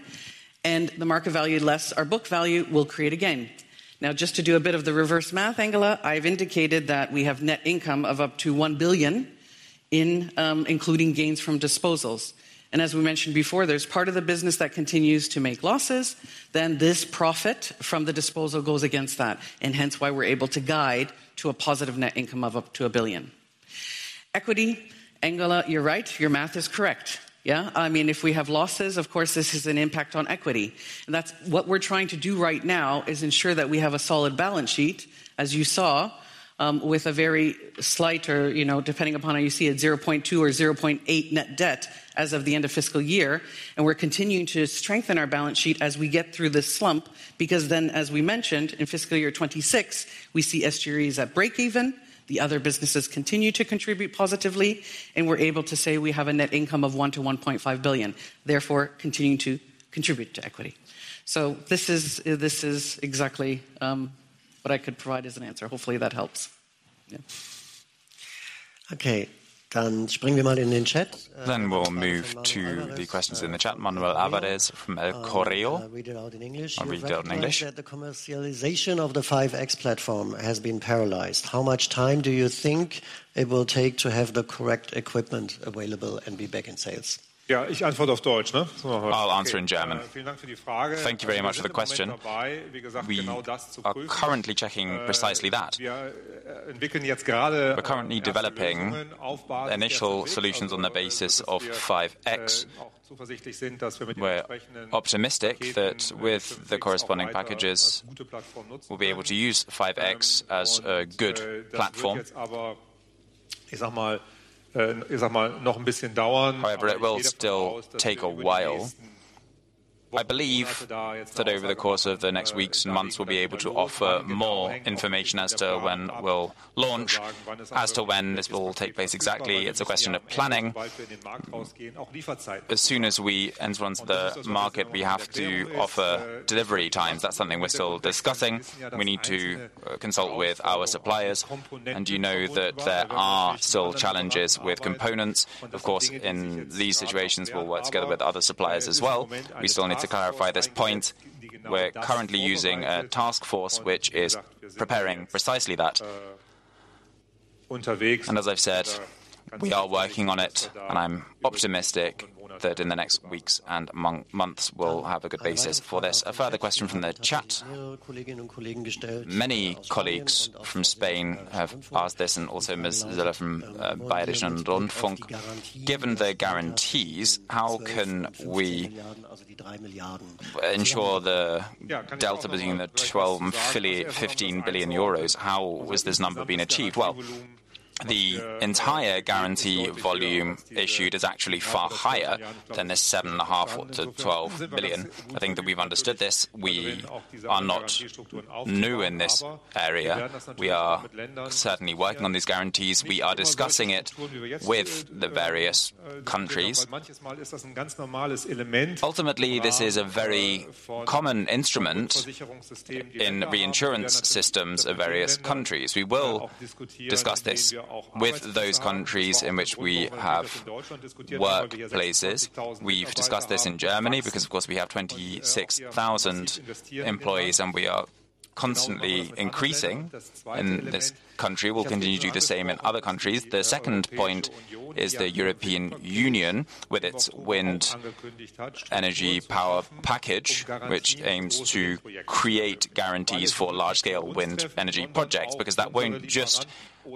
and the market value less our book value will create a gain. Now, just to do a bit of the reverse math, Angela, I've indicated that we have net income of up to 1 billion in, including gains from disposals. As we mentioned before, there's part of the business that continues to make losses, then this profit from the disposal goes against that, and hence why we're able to guide to a positive net income of up to 1 billion. Equity, Angela, you're right, your math is correct. Yeah, I mean, if we have losses, of course, this has an impact on equity. And that's what we're trying to do right now is ensure that we have a solid balance sheet, as you saw, with a very slight or, you know, depending upon how you see it, 0.2 billion or 0.8 billion net debt as of the end of fiscal year. We're continuing to strengthen our balance sheet as we get through this slump, because then, as we mentioned, in fiscal year 2026, we see SGRE is at breakeven, the other businesses continue to contribute positively, and we're able to say we have a net income of 1 billion-1.5 billion, therefore, continuing to contribute to equity. So this is, this is exactly, what I could provide as an answer. Hopefully, that helps. Yeah. Okay. Then we'll move to the questions in the chat. Manuel Álvarez from El Correo. Read it out in English. I'll read it in English. That the commercialization of the 5.X platform has been paralyzed. How much time do you think it will take to have the correct equipment available and be back in sales? I'll answer in German. Thank you very much for the question. We are currently checking precisely that. We're currently developing initial solutions on the basis of 5.X. We're optimistic that with the corresponding packages, we'll be able to use 5.X as a good platform. However, it will still take a while. I believe that over the course of the next weeks and months, we'll be able to offer more information as to when we'll launch, as to when this will take place exactly. It's a question of planning. As soon as we enter the market, we have to offer delivery times. That's something we're still discussing. We need to consult with our suppliers, and you know that there are still challenges with components. Of course, in these situations, we'll work together with other suppliers as well. We still need to clarify this point. We're currently using a task force, which is preparing precisely that. As I've said, we are working on it, and I'm optimistic that in the next weeks and months, we'll have a good basis for this. A further question from the chat. Many colleagues from Spain have asked this, and also Ms. Zeller from Bayerischer Rundfunk: Given the guarantees, how can we ensure the delta between 12 billion and 15 billion euros? How is this number being achieved? Well, the entire guarantee volume issued is actually far higher than 7.5 billion-12 billion. I think that we've understood this. We are not new in this area. We are certainly working on these guarantees. We are discussing it with the various countries. Ultimately, this is a very common instrument in reinsurance systems of various countries. We will discuss this with those countries in which we have workplaces. We've discussed this in Germany because, of course, we have 26,000 employees, and we are constantly increasing in this country. We'll continue to do the same in other countries. The second point is the European Union, with its Wind Power Package, which aims to create guarantees for large-scale wind energy projects, because that won't just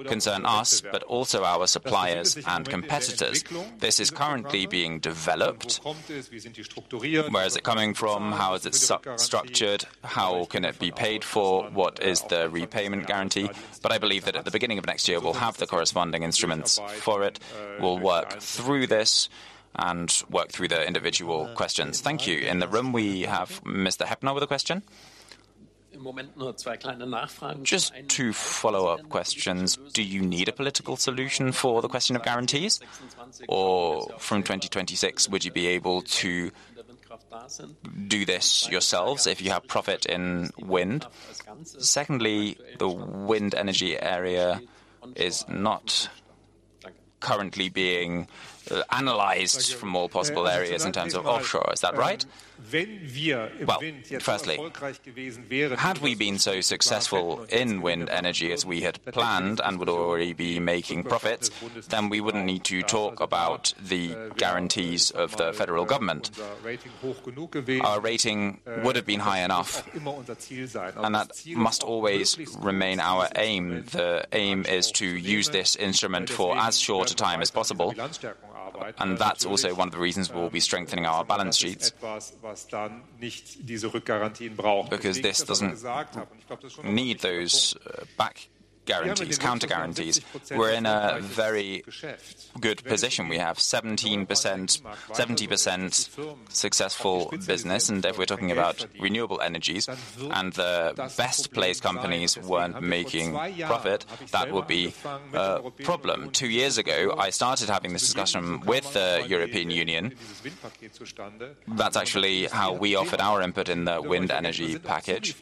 concern us, but also our suppliers and competitors. This is currently being developed. Where is it coming from? How is it structured? How can it be paid for? What is the repayment guarantee? But I believe that at the beginning of next year, we'll have the corresponding instruments for it. We'll work through this and work through the individual questions. Thank you. In the room, we have Mr. Hübner with a question. Just two follow-up questions. Do you need a political solution for the question of guarantees? Or from 2026, would you be able to do this yourselves if you have profit in wind? Secondly, the wind energy area is not currently being analyzed from all possible areas in terms of offshore. Is that right? Well, firstly, had we been so successful in wind energy as we had planned and would already be making profits, then we wouldn't need to talk about the guarantees of the federal government. Our rating would have been high enough, and that must always remain our aim. The aim is to use this instrument for as short a time as possible, and that's also one of the reasons we'll be strengthening our balance sheets. Because this doesn't need those, back guarantees, counter guarantees. We're in a very good position. We have 17%, 70% successful business, and if we're talking about renewable energies and the best placed companies weren't making profit, that would be a problem. Two years ago, I started having this discussion with the European Union. That's actually how we offered our input in the wind energy package.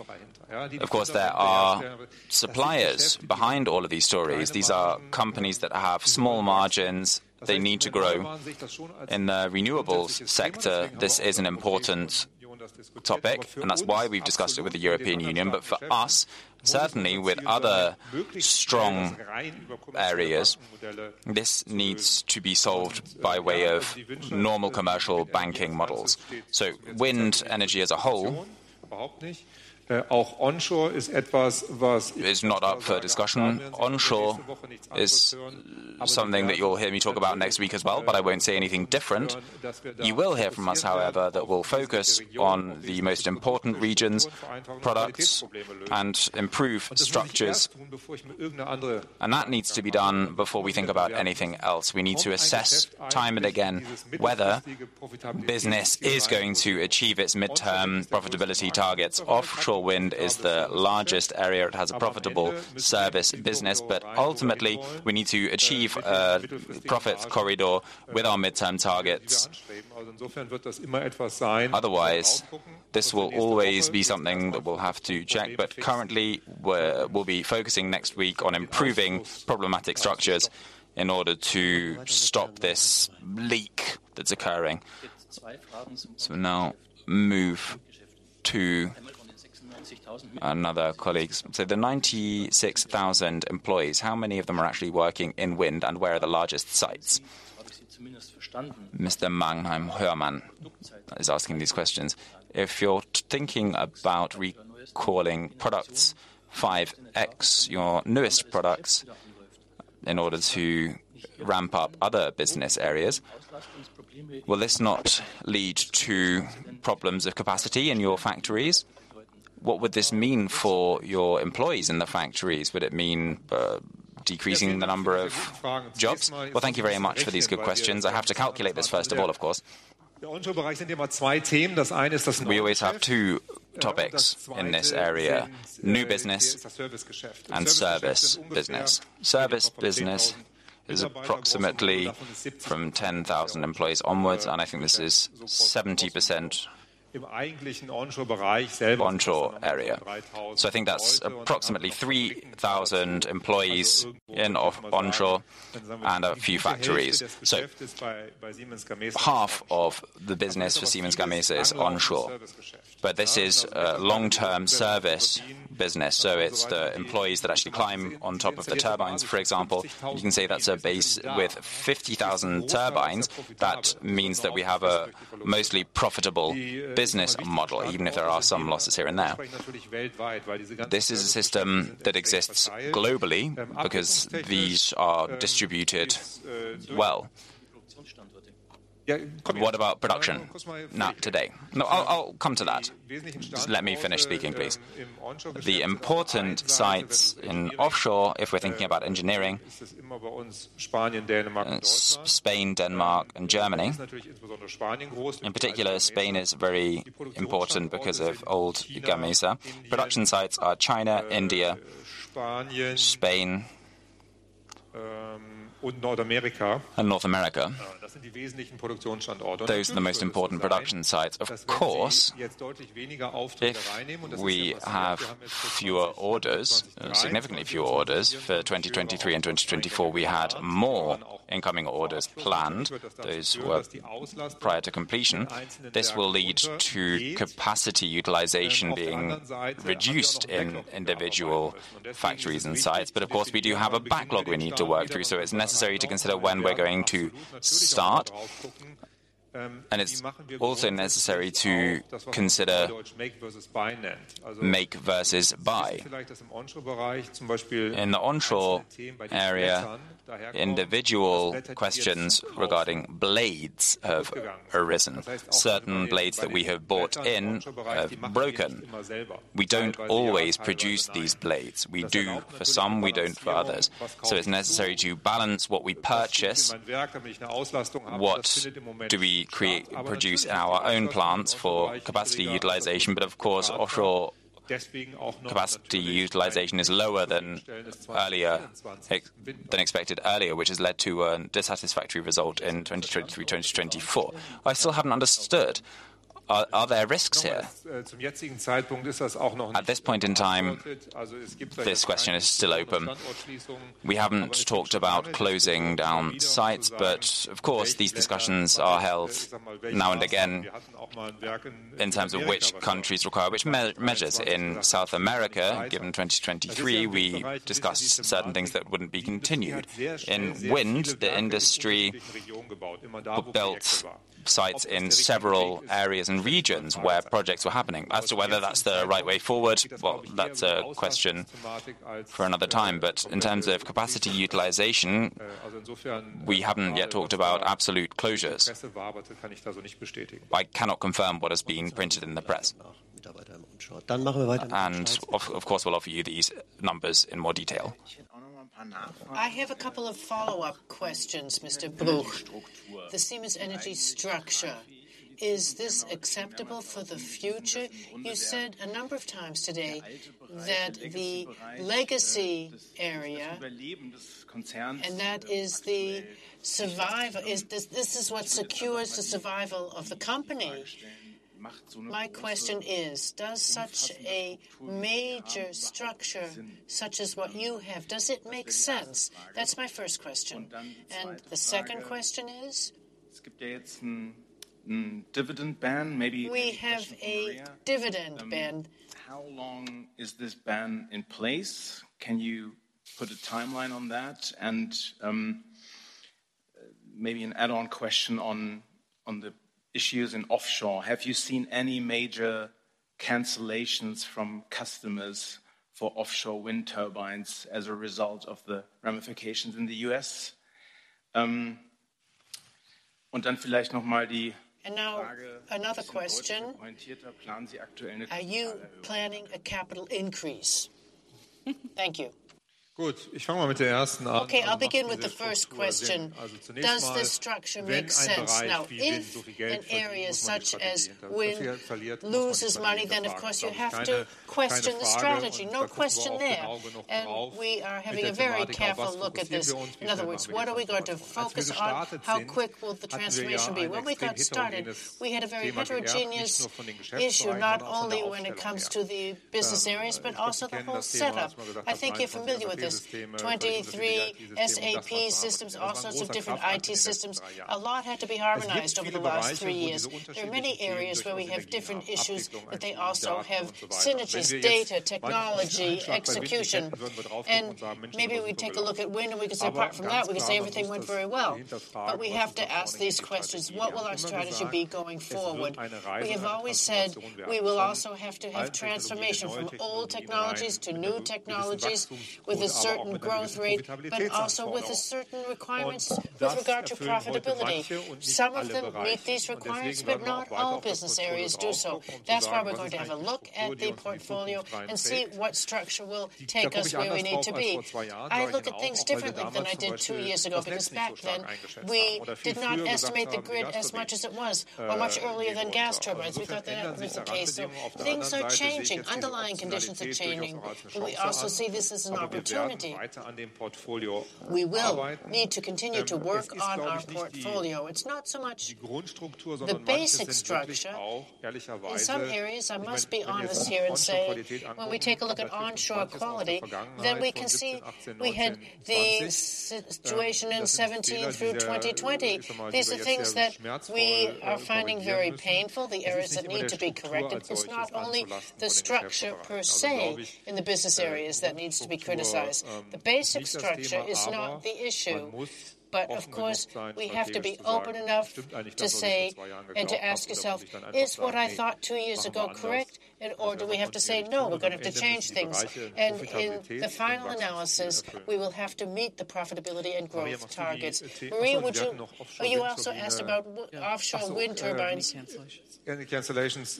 Of course, there are suppliers behind all of these stories. These are companies that have small margins. They need to grow. In the renewables sector, this is an important topic, and that's why we've discussed it with the European Union. But for us, certainly with other strong areas, this needs to be solved by way of normal commercial banking models. So wind energy as a whole- It's not up for discussion. Onshore is something that you'll hear me talk about next week as well, but I won't say anything different. You will hear from us, however, that we'll focus on the most important regions, products, and improve structures. That needs to be done before we think about anything else. We need to assess time and again whether business is going to achieve its midterm profitability targets. Offshore wind is the largest area. It has a profitable service business, but ultimately, we need to achieve profits corridor with our midterm targets. Otherwise, this will always be something that we'll have to check. But currently, we'll be focusing next week on improving problematic structures in order to stop this leak that's occurring. So now move to another colleague. So the 96,000 employees, how many of them are actually working in wind, and where are the largest sites? Mr. Mannheimer Morgen is asking these questions. If you're thinking about recalling products, 5.X, your newest products, in order to ramp up other business areas, will this not lead to problems of capacity in your factories? What would this mean for your employees in the factories? Would it mean decreasing the number of jobs? Well, thank you very much for these good questions. I have to calculate this, first of all, of course. We always have two topics in this area: new business and service business. Service business is approximately from 10,000 employees onwards, and I think this is 70% onshore area. So I think that's approximately 3,000 employees in, of onshore and a few factories. So half of the business for Siemens Gamesa is onshore, but this is a long-term service business, so it's the employees that actually climb on top of the turbines, for example. You can say that's a base with 50,000 turbines. That means that we have a mostly profitable business model, even if there are some losses here and there. This is a system that exists globally because these are distributed well. What about production? Not today. No, I'll, I'll come to that. Just let me finish speaking, please. The important sites in offshore, if we're thinking about engineering, it's Spain, Denmark, and Germany. In particular, Spain is very important because of old Gamesa. Production sites are China, India, Spain, and North America. Those are the most important production sites. Of course, if we have fewer orders, significantly fewer orders, for 2023 and 2024, we had more incoming orders planned. Those were prior to completion. This will lead to capacity utilization being reduced in individual factories and sites. But of course, we do have a backlog we need to work through, so it's necessary to consider when we're going to start, and it's also necessary to consider make versus buy. In the onshore area, individual questions regarding blades have arisen. Certain blades that we have bought in have broken. We don't always produce these blades. We do for some, we don't for others. So it's necessary to balance what we purchase. What do we create and produce in our own plants for capacity utilization? But of course, offshore capacity utilization is lower than earlier than expected earlier, which has led to a dissatisfactory result in 2023, 2024. I still haven't understood, are there risks here? At this point in time, this question is still open. We haven't talked about closing down sites, but of course, these discussions are held now and again, in terms of which countries require which measures. In South America, given 2023, we discussed certain things that wouldn't be continued. In wind, the industry built sites in several areas and regions where projects were happening. As to whether that's the right way forward, well, that's a question for another time. But in terms of capacity utilization, we haven't yet talked about absolute closures. I cannot confirm what has been printed in the press. And of course, we'll offer you these numbers in more detail. I have a couple of follow-up questions, Mr. Bruch. The Siemens Energy structure, is this acceptable for the future? You said a number of times today that the legacy area, and that is the survival... Is this, this is what secures the survival of the company. My question is, does such a major structure, such as what you have, does it make sense? That's my first question. The second question is? Skip the dividend ban. Maybe- We have a dividend ban. How long is this ban in place? Can you put a timeline on that? And, maybe an add-on question on, on the issues in offshore. Have you seen any major cancellations from customers for offshore wind turbines as a result of the ramifications in the US? And now, another question: Are you planning a capital increase? Thank you. Okay, I'll begin with the first question: Does this structure make sense? Now, if an area such as wind loses money, then, of course, you have to question the strategy. No question there. And we are having a very careful look at this. In other words, what are we going to focus on? How quick will the transformation be? When we got started, we had a very heterogeneous issue, not only when it comes to the business areas, but also the whole setup. I think you're familiar with this. 23 SAP systems, all sorts of different IT systems, a lot had to be harmonized over the last three years. There are many areas where we have different issues, but they also have synergies, data, technology, execution. Maybe we take a look at wind, and we can say, apart from that, we can say everything went very well. But we have to ask these questions: What will our strategy be going forward? We have always said we will also have to have transformation from old technologies to new technologies, with a certain growth rate, but also with a certain requirements with regard to profitability. Some of them meet these requirements, but not all business areas do so. That's why we're going to have a look at the portfolio and see what structure will take us where we need to be. I look at things differently than I did two years ago, because back then, we did not estimate the grid as much as it was or much earlier than gas turbines. We thought that wasn't the case. So things are changing, underlying conditions are changing, but we also see this as an opportunity. We will need to continue to work on our portfolio. It's not so much the basic structure. In some areas, I must be honest here and say, when we take a look at onshore quality, then we can see we had the situation in 2017 through 2020. These are things that we are finding very painful, the areas that need to be corrected. It's not only the structure per se in the business areas that needs to be criticized. The basic structure is not the issue, but of course, we have to be open enough to say and to ask yourself: Is what I thought two years ago correct, or do we have to say, "No, we're going to have to change things?" And in the final analysis, we will have to meet the profitability and growth targets. Marie, would you... Oh, you also asked about offshore wind turbines. Any cancellations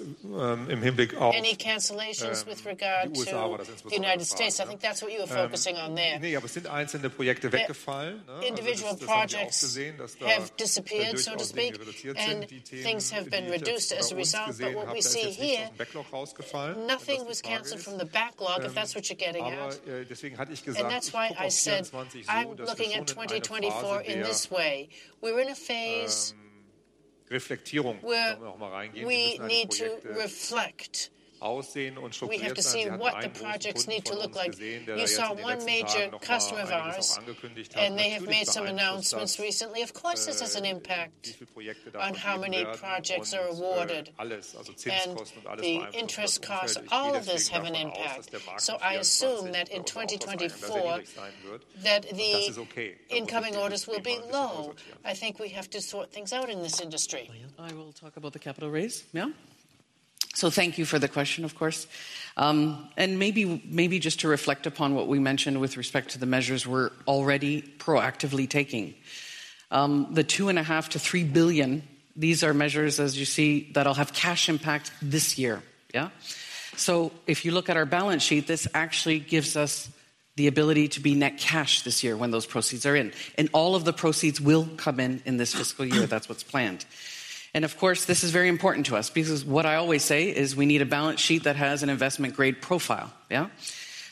in India? Any cancellations with regard to the United States? I think that's what you were focusing on there. Yeah, but it's in the project. Individual projects have disappeared, so to speak, and things have been reduced as a result. But what we see here, nothing was canceled from the backlog, if that's what you're getting at. And that's why I said, I'm looking at 2024 in this way. We're in a phase where we need to reflect. We have to see what the projects need to look like. You saw one major customer of ours, and they have made some announcements recently. Of course, this has an impact on how many projects are awarded. And the interest costs, all of this have an impact. So I assume that in 2024, that the incoming orders will be low. I think we have to sort things out in this industry. I will talk about the capital raise. Yeah? So thank you for the question, of course. And maybe just to reflect upon what we mentioned with respect to the measures we're already proactively taking. The 2.5 billion-3 billion, these are measures, as you see, that'll have cash impact this year. Yeah? So if you look at our balance sheet, this actually gives us the ability to be net cash this year when those proceeds are in, and all of the proceeds will come in, in this fiscal year. That's what's planned. And of course, this is very important to us because what I always say is we need a balance sheet that has an investment-grade profile, yeah?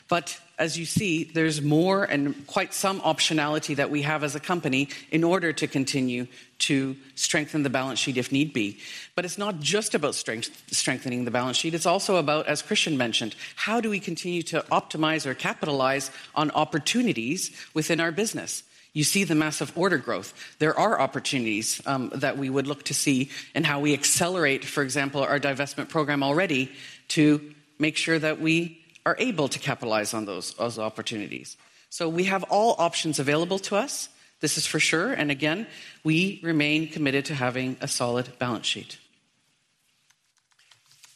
But as you see, there's more and quite some optionality that we have as a company in order to continue to strengthen the balance sheet if need be. But it's not just about strengthening the balance sheet, it's also about, as Christian mentioned, how do we continue to optimize or capitalize on opportunities within our business? You see the massive order growth. There are opportunities that we would look to see in how we accelerate, for example, our divestment program already, to make sure that we are able to capitalize on those, those opportunities. So we have all options available to us. This is for sure, and again, we remain committed to having a solid balance sheet.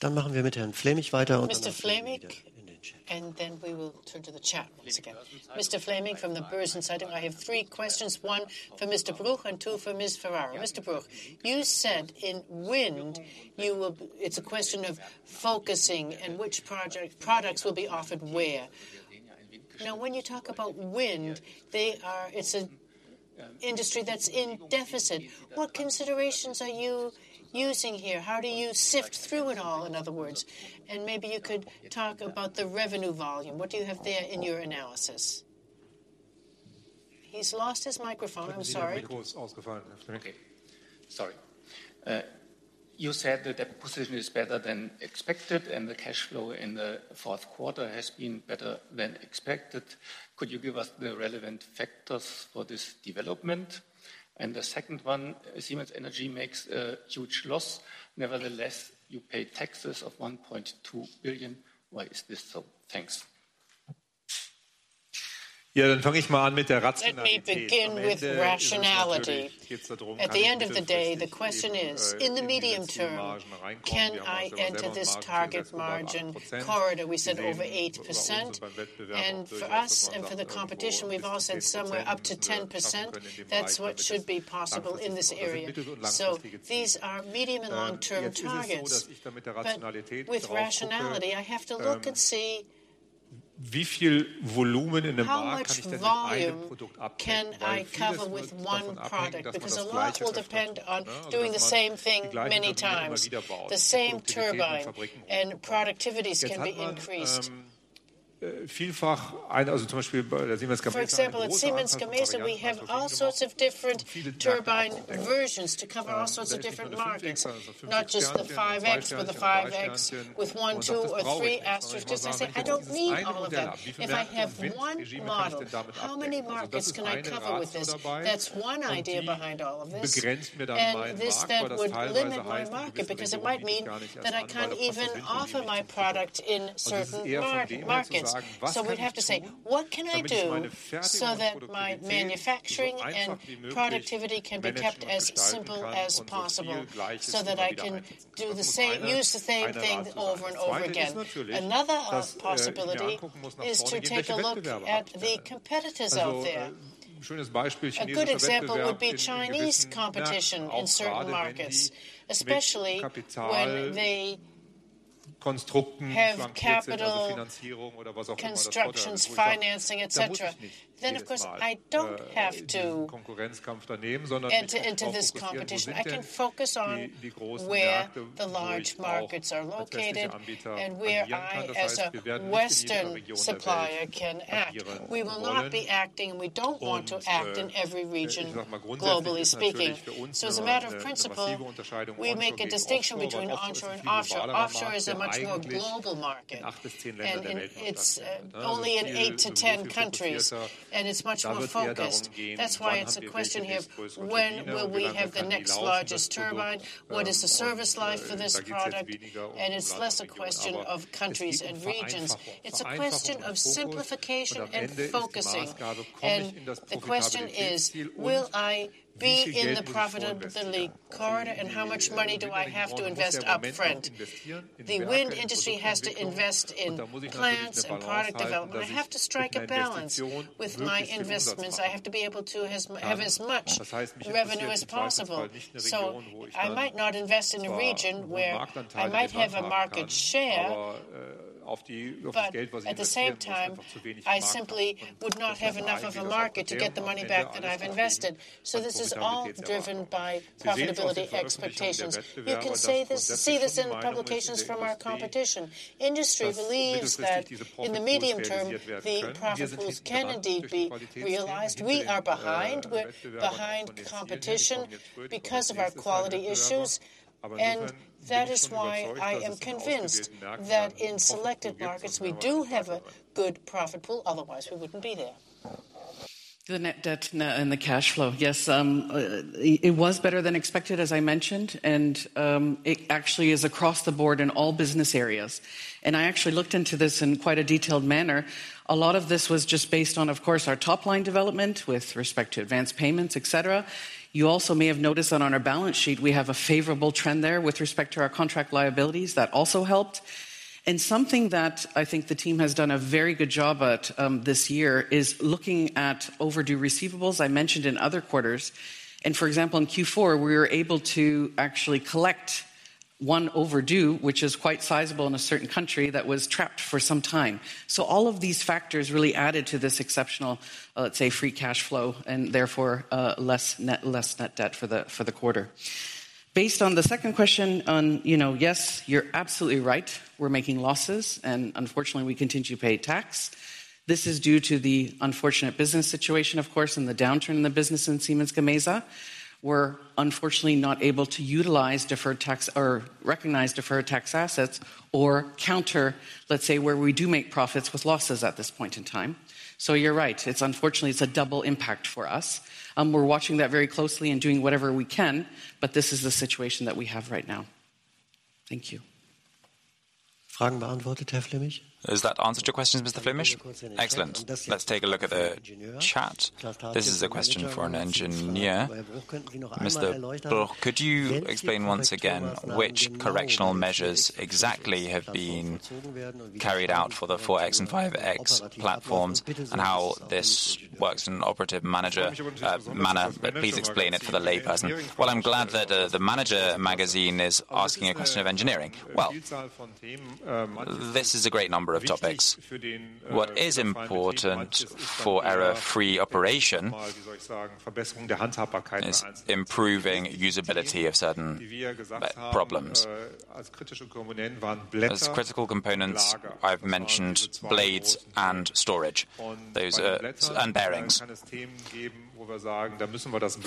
Mr. Flämig, and then we will turn to the chat once again. Mr. Flämig, from the Börsen-Zeitung, I have three questions, one for Mr. Bruch and two for Ms. Ferraro. Mr. Bruch, you said in wind, you will... It's a question of focusing and which project-products will be offered where. Now, when you talk about wind, they are—it's an industry that's in deficit. What considerations are you using here? How do you sift through it all, in other words? And maybe you could talk about the revenue volume. What do you have there in your analysis? He's lost his microphone. I'm sorry. Okay, sorry. You said that the position is better than expected, and the cash flow in the fourth quarter has been better than expected. Could you give us the relevant factors for this development? And the second one, Siemens Energy makes a huge loss. Nevertheless, you pay taxes of 1.2 billion. Why is this so? Thanks. Yeah, then I'll begin with rationality. At the end of the day, the question is: in the medium term, can I enter this target margin corridor? We said over 8%, and for us and for the competition, we've all said somewhere up to 10%. That's what should be possible in this area. So these are medium and long-term targets. But with rationality, I have to look and see, how much volume can I cover with one product? Because a lot will depend on doing the same thing many times, the same turbine, and productivities can be increased. For example, at Siemens Gamesa, we have all sorts of different turbine versions to cover all sorts of different markets, not just the 5.X, but the 5.X with one, two, or three asterisks. Just to say, I don't need all of them. If I have one model, how many markets can I cover with this? That's one idea behind all of this, and this, that would limit my market because it might mean that I can't even offer my product in certain markets. So we'd have to say: What can I do so that my manufacturing and productivity can be kept as simple as possible, so that I can do the same, use the same thing over and over again? Another possibility is to take a look at the competitors out there. A good example would be Chinese competition in certain markets, especially when they have capital constructions, financing, et cetera. Then, of course, I don't have to enter into this competition. I can focus on where the large markets are located and where I, as a Western supplier, can act. We will not be acting, and we don't want to act in every region, globally speaking. So as a matter of principle, we make a distinction between onshore and offshore. Offshore is a much more global market, and it's only in 8-10 countries, and it's much more focused. That's why it's a question of when will we have the next largest turbine? What is the service life for this product? And it's less a question of countries and regions. It's a question of simplification and focusing. And the question is, will I be in the profitability corridor, and how much money do I have to invest upfront? The wind industry has to invest in plants and product development. I have to strike a balance with my investments. I have to be able to have as much revenue as possible. So I might not invest in a region where I might have a market share, but at the same time, I simply would not have enough of a market to get the money back that I've invested. So this is all driven by profitability expectations. You can see this, see this in the publications from our competition. Industry believes that in the medium term, the profit pool can indeed be realized. We are behind. We're behind competition because of our quality issues, and that is why I am convinced that in selected markets, we do have a good profit pool. Otherwise, we wouldn't be there. The net debt now and the cash flow. Yes, it was better than expected, as I mentioned, and it actually is across the board in all business areas. I actually looked into this in quite a detailed manner. A lot of this was just based on, of course, our top-line development with respect to advanced payments, et cetera. You also may have noticed that on our balance sheet, we have a favorable trend there with respect to our contract liabilities. That also helped. Something that I think the team has done a very good job at this year is looking at overdue receivables, I mentioned, in other quarters. For example, in Q4, we were able to actually collect one overdue, which is quite sizable in a certain country that was trapped for some time. So all of these factors really added to this exceptional, let's say, free cash flow and therefore, less net, less net debt for the, for the quarter. Based on the second question, you know, yes, you're absolutely right. We're making losses, and unfortunately, we continue to pay tax. This is due to the unfortunate business situation, of course, and the downturn in the business in Siemens Gamesa. We're unfortunately not able to utilize deferred tax or recognize deferred tax assets or counter, let's say, where we do make profits with losses at this point in time. So you're right. It's unfortunately, it's a double impact for us. We're watching that very closely and doing whatever we can, but this is the situation that we have right now. Thank you. Does that answer your question, Mr. Flämig? Excellent. Let's take a look at the chat. This is a question for an engineer. Mr. Bruch, could you explain once again, which correctional measures exactly have been carried out for the 4.X and 5.X platforms, and how this works in an operative manager manner? But please explain it for the layperson. Well, I'm glad that, the Manager Magazin is asking a question of engineering. Well, this is a great number of topics. What is important for error-free operation is improving usability of certain problems. As critical components, I've mentioned blades and storage. Those are... And bearings.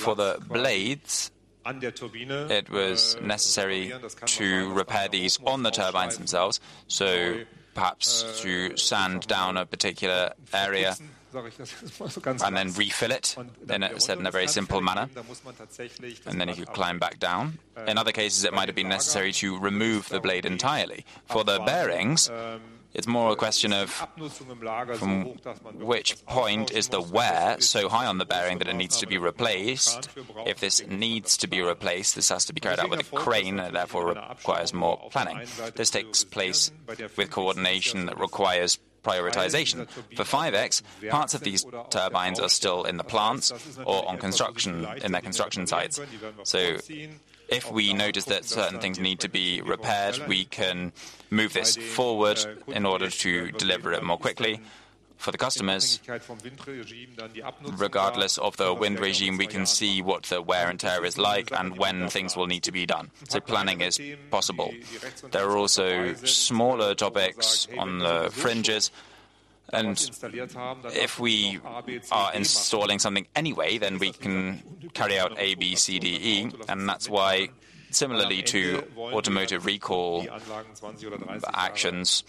For the blades-... It was necessary to repair these on the turbines themselves, so perhaps to sand down a particular area and then refill it, and, said in a very simple manner, and then if you climb back down. In other cases, it might have been necessary to remove the blade entirely. For the bearings, it's more a question of from which point is the wear so high on the bearing that it needs to be replaced? If this needs to be replaced, this has to be carried out with a crane, and therefore requires more planning. This takes place with coordination that requires prioritization. For 5.X, parts of these turbines are still in the plants or on construction, in their construction sites. So if we notice that certain things need to be repaired, we can move this forward in order to deliver it more quickly for the customers. Regardless of the wind regime, we can see what the wear and tear is like and when things will need to be done, so planning is possible. There are also smaller topics on the fringes, and if we are installing something anyway, then we can carry out A, B, C, D, E, and that's why, similarly to automotive recall actions,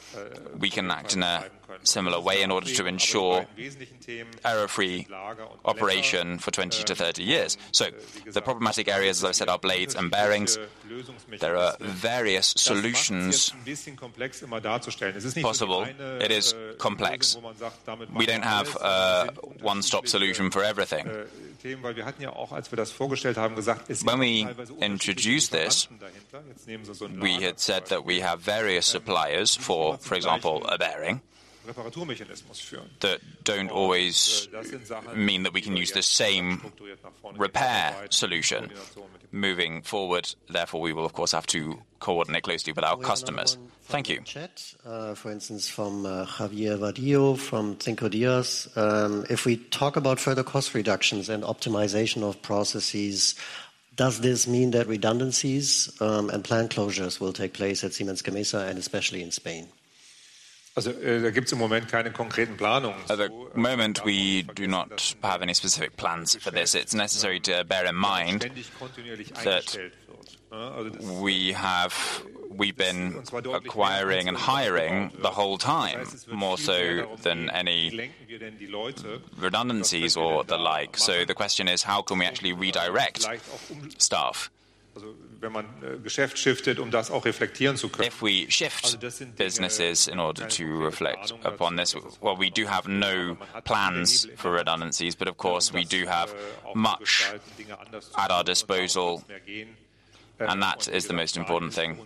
we can act in a similar way in order to ensure error-free operation for 20-30 years. So the problematic areas, as I said, are blades and bearings. There are various solutions possible. It is complex. We don't have a one-stop solution for everything. When we introduced this, we had said that we have various suppliers for, for example, a bearing, that don't always mean that we can use the same repair solution moving forward. Therefore, we will, of course, have to coordinate closely with our customers. Thank you. Chat, for instance, from Javier Vadillo, from Cinco Días. If we talk about further cost reductions and optimization of processes, does this mean that redundancies and plant closures will take place at Siemens Gamesa, and especially in Spain? At the moment, we do not have any specific plans for this. It's necessary to bear in mind that we've been acquiring and hiring the whole time, more so than any redundancies or the like. So the question is: How can we actually redirect staff? If we shift businesses in order to reflect upon this, well, we do have no plans for redundancies, but of course, we do have much at our disposal, and that is the most important thing.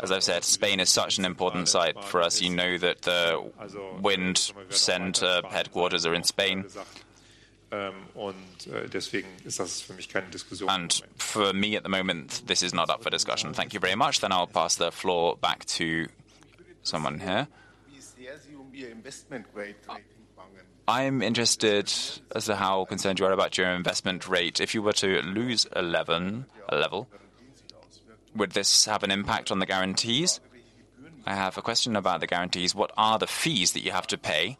As I've said, Spain is such an important site for us. You know, that the wind center headquarters are in Spain. And for me, at the moment, this is not up for discussion. Thank you very much. Then I'll pass the floor back to someone here. I'm interested as to how concerned you are about your investment grade. If you were to lose investment grade level, would this have an impact on the guarantees? I have a question about the guarantees. What are the fees that you have to pay?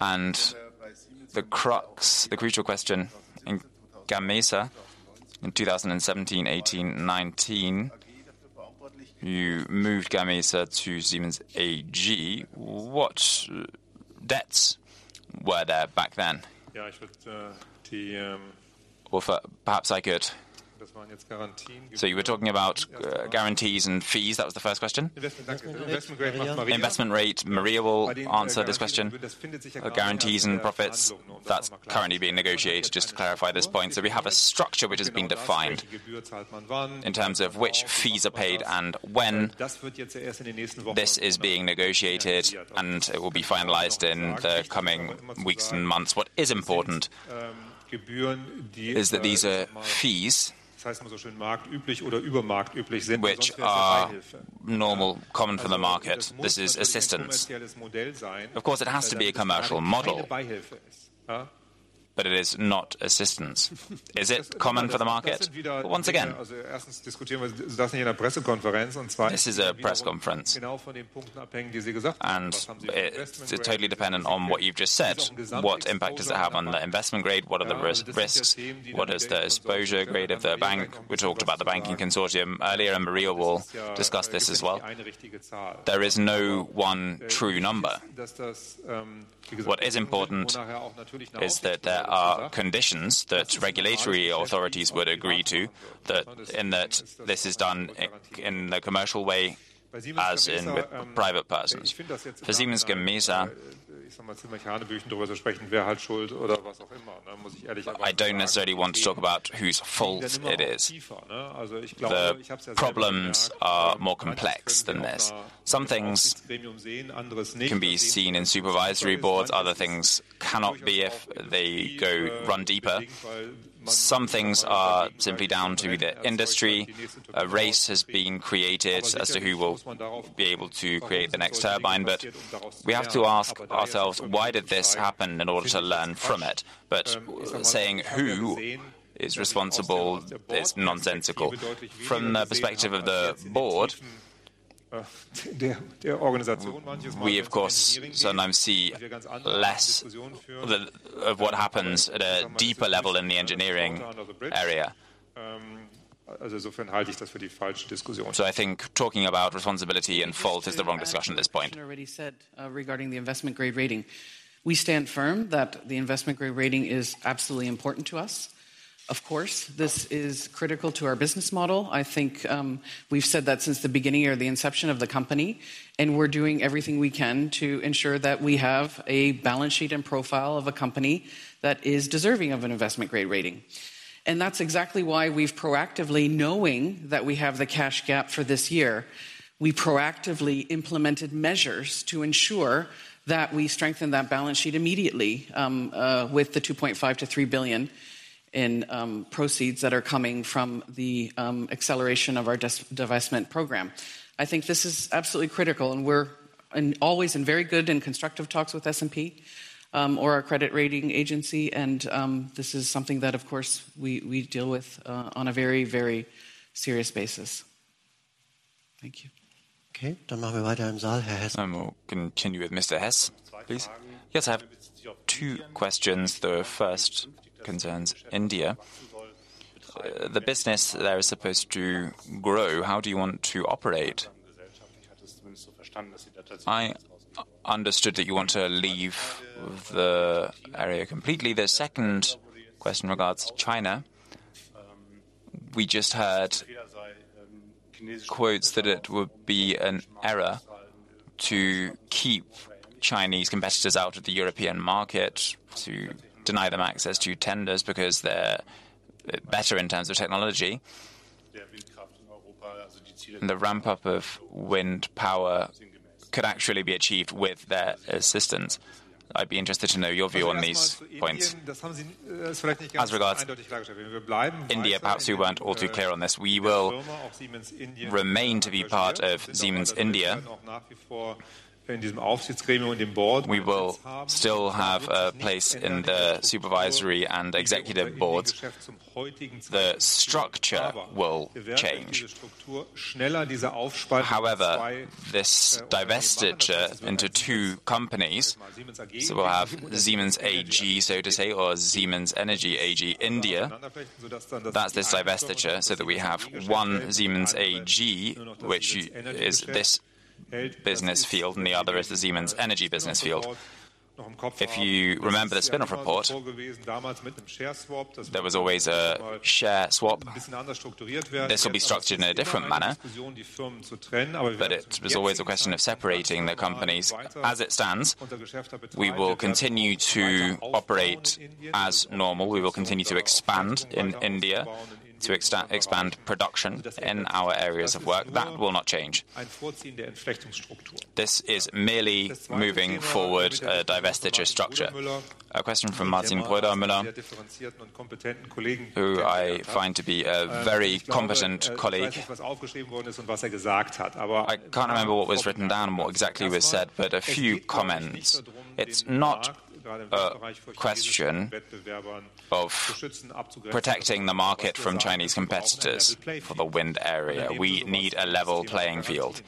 And the crux, the crucial question in Gamesa, in 2017, 2018, 2019, you moved Gamesa to Siemens AG. What debts were there back then? Yeah, I should. Well, perhaps I could. So you were talking about guarantees and fees. That was the first question? Investment grade. Investment grade, Maria will answer this question. For guarantees and fees, that's currently being negotiated, just to clarify this point. So we have a structure which has been defined in terms of which fees are paid and when. This is being negotiated, and it will be finalized in the coming weeks and months. What is important is that these are fees, which are normal, common for the market. This is assistance. Of course, it has to be a commercial model, but it is not assistance. Is it common for the market? Once again, this is a press conference, and it's totally dependent on what you've just said. What impact does it have on the investment grade? What are the risks? What is the exposure grade of the bank? We talked about the banking consortium earlier, and Maria will discuss this as well. There is no one true number. What is important is that there are conditions that regulatory authorities would agree to, that in that this is done in the commercial way, as in with private persons. For Siemens Gamesa, I don't necessarily want to talk about whose fault it is. The problems are more complex than this. Some things can be seen in supervisory boards. Other things cannot be if they go, run deeper. Some things are simply down to the industry. A race has been created as to who will be able to create the next turbine, but we have to ask ourselves: Why did this happen? In order to learn from it. But saying who is responsible is nonsensical. From the perspective of the board- We, of course, sometimes see less than what happens at a deeper level in the engineering area. I think talking about responsibility and fault is the wrong discussion at this point. Already said, regarding the investment grade rating. We stand firm that the investment grade rating is absolutely important to us. Of course, this is critical to our business model. I think, we've said that since the beginning or the inception of the company, and we're doing everything we can to ensure that we have a balance sheet and profile of a company that is deserving of an investment grade rating. And that's exactly why we've proactively, knowing that we have the cash gap for this year, we proactively implemented measures to ensure that we strengthen that balance sheet immediately, with the 2.5-3 billion in proceeds that are coming from the acceleration of our divestment program. I think this is absolutely critical, and we're always in very good and constructive talks with S&P, or our credit rating agency, and this is something that, of course, we deal with on a very, very serious basis. Thank you. Okay. We'll continue with Mr. Hess, please. Yes, I have two questions. The first concerns India. The business there is supposed to grow. How do you want to operate? I understood that you want to leave the area completely. The second question regards to China. We just heard quotes that it would be an error to keep Chinese competitors out of the European market, to deny them access to tenders because they're better in terms of technology. And the ramp-up of wind power could actually be achieved with their assistance. I'd be interested to know your view on these points. As regards India, perhaps you weren't all too clear on this. We will remain to be part of Siemens India. We will still have a place in the supervisory and executive boards. The structure will change. However, this divestiture into two companies, so we'll have Siemens AG, so to say, or Siemens Energy AG, India. That's this divestiture, so that we have one Siemens AG, which is this business field, and the other is the Siemens Energy business field. If you remember the spin-off report, there was always a share swap. This will be structured in a different manner, but it was always a question of separating the companies. As it stands, we will continue to operate as normal. We will continue to expand in India, to expand production in our areas of work. That will not change. This is merely moving forward a divestiture structure. A question from Martin Kreuder Müller, who I find to be a very competent colleague. I can't remember what was written down and what exactly was said, but a few comments. It's not a question of protecting the market from Chinese competitors for the wind area. We need a level playing field,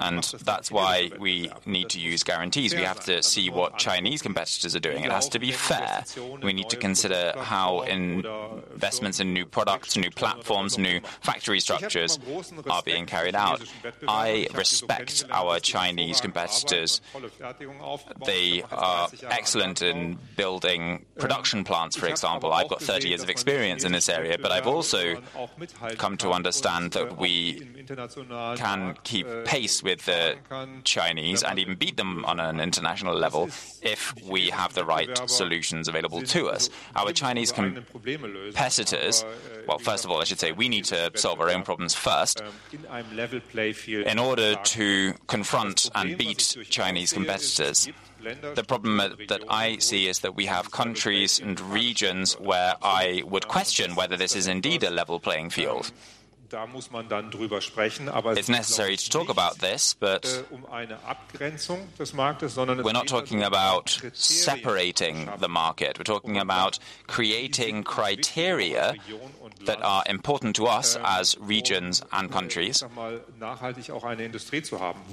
and that's why we need to use guarantees. We have to see what Chinese competitors are doing. It has to be fair. We need to consider how investments in new products, new platforms, new factory structures are being carried out. I respect our Chinese competitors. They are excellent in building production plants, for example. I've got 30 years of experience in this area, but I've also come to understand that we can keep pace with the Chinese and even beat them on an international level if we have the right solutions available to us. Our Chinese competitors... Well, first of all, I should say we need to solve our own problems first in order to confront and beat Chinese competitors. The problem that I see is that we have countries and regions where I would question whether this is indeed a level playing field. It's necessary to talk about this, but we're not talking about separating the market. We're talking about creating criteria that are important to us as regions and countries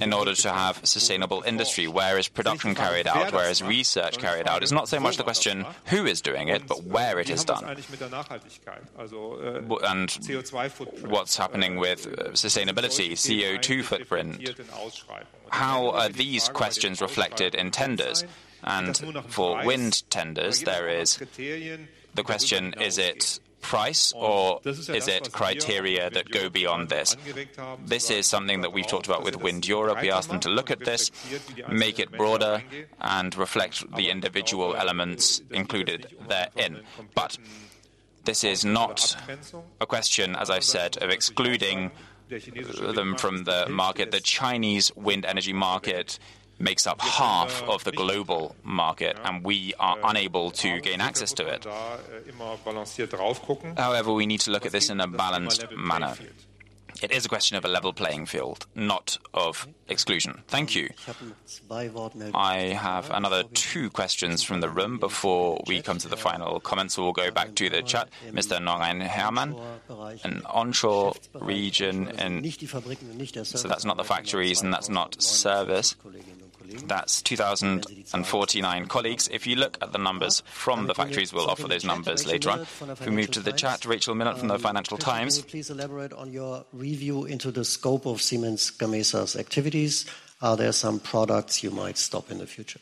in order to have sustainable industry. Where is production carried out? Where is research carried out? It's not so much the question, who is doing it? But where it is done. And what's happening with sustainability, CO₂ footprint? How are these questions reflected in tenders? And for wind tenders, there is the question: Is it price, or is it criteria that go beyond this? This is something that we've talked about with WindEurope. We asked them to look at this, make it broader, and reflect the individual elements included therein. But this is not a question, as I've said, of excluding them from the market. The Chinese wind energy market makes up half of the global market, and we are unable to gain access to it. However, we need to look at this in a balanced manner. It is a question of a level playing field, not of exclusion. Thank you. I have another two questions from the room before we come to the final comments. We will go back to the chat. Mr. Noreen Herman, an onshore region, and so that's not the factories, and that's not service? That's 2,049 colleagues. If you look at the numbers from the factories, we'll offer those numbers later on. If we move to the chat, Rachel Millard from the Financial Times. Can you please elaborate on your review into the scope of Siemens Gamesa's activities? Are there some products you might stop in the future?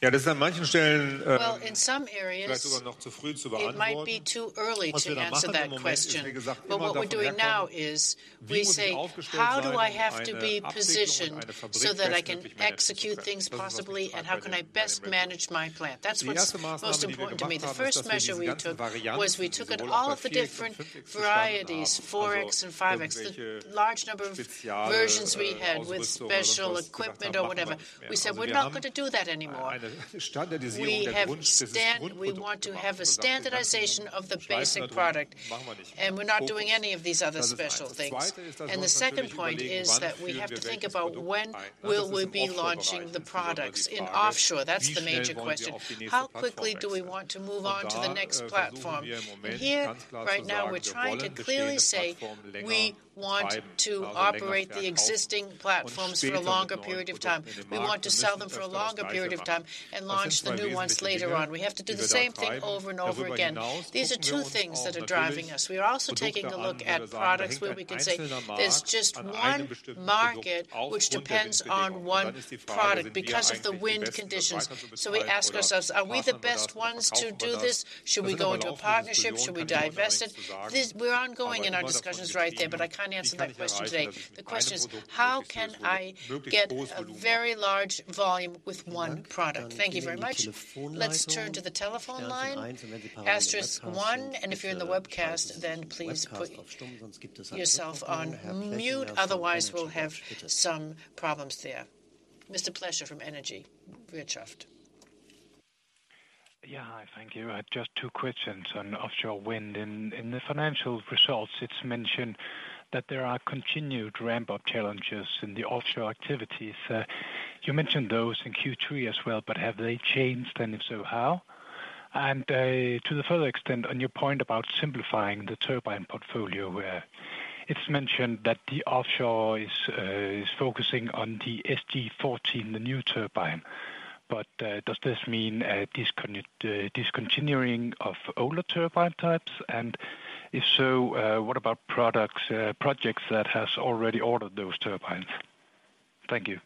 Well, in some areas, it might be too early to answer that question. But what we're doing now is we say: How do I have to be positioned so that I can execute things possibly, and how can I best manage my plant? That's what's most important to me. The first measure we took was we took at all of the different varieties, 4.X and 5.X, the large number of versions we had with special equipment or whatever. We said, "We're not going to do that anymore." We want to have a standardization of the basic product, and we're not doing any of these other special things. And the second point is that we have to think about when will we be launching the products in offshore? That's the major question. How quickly do we want to move on to the next platform? Here, right now, we're trying to clearly say we want to operate the existing platforms for a longer period of time. We want to sell them for a longer period of time and launch the new ones later on. We have to do the same thing over and over again. These are two things that are driving us. We are also taking a look at products where we can say there's just one market which depends on one product because of the wind conditions. So we ask ourselves, are we the best ones to do this? Should we go into a partnership? Should we divest it? We're ongoing in our discussions right here, but I can't answer that question today. The question is: How can I get a very large volume with one product? Thank you very much. Let's turn to the telephone line. Asterisk one, and if you're in the webcast, then please put yourself on mute, otherwise we'll have some problems there. Mr. Pletscher from Energiewirtschaft. Yeah. Hi, thank you. I have just two questions on offshore wind. In the financial results, it's mentioned that there are continued ramp-up challenges in the offshore activities. You mentioned those in Q3 as well, but have they changed, and if so, how? And to the further extent, on your point about simplifying the turbine portfolio, where it's mentioned that the offshore is focusing on the SG 14, the new turbine. But does this mean a discontinuing of older turbine types? And if so, what about projects that has already ordered those turbines? Thank you.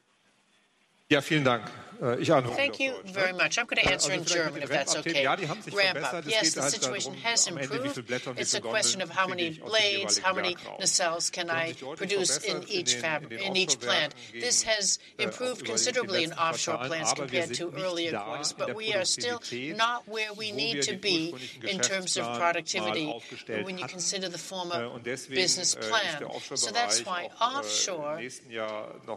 Thank you very much. I'm going to answer in German, if that's okay. Ramp up. Yes, the situation has improved. It's a question of how many blades, how many nacelles can I produce in each plant. This has improved considerably in offshore plants compared to earlier years, but we are still not where we need to be in terms of productivity when you consider the former business plan. So that's why offshore,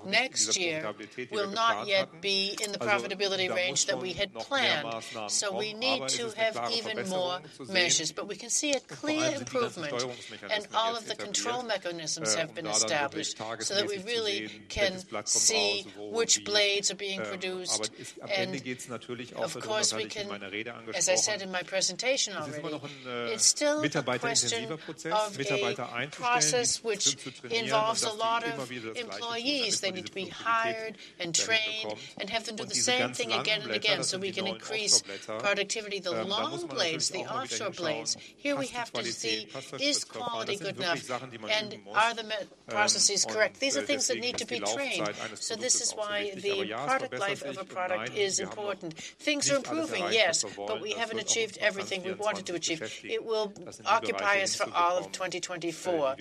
next year, will not yet be in the profitability range that we had planned. So we need to have even more measures, but we can see a clear improvement, and all of the control mechanisms have been established so that we really can see which blades are being produced. And of course, we can, as I said in my presentation already, it's still a question of a process which involves a lot of employees. They need to be hired and trained and have them do the same thing again and again, so we can increase productivity. The long blades, the offshore blades, here we have to see, is quality good enough, and are the manufacturing processes correct? These are things that need to be trained, so this is why the product life of a product is important. Things are improving, yes, but we haven't achieved everything we wanted to achieve. It will occupy us for all of 2024,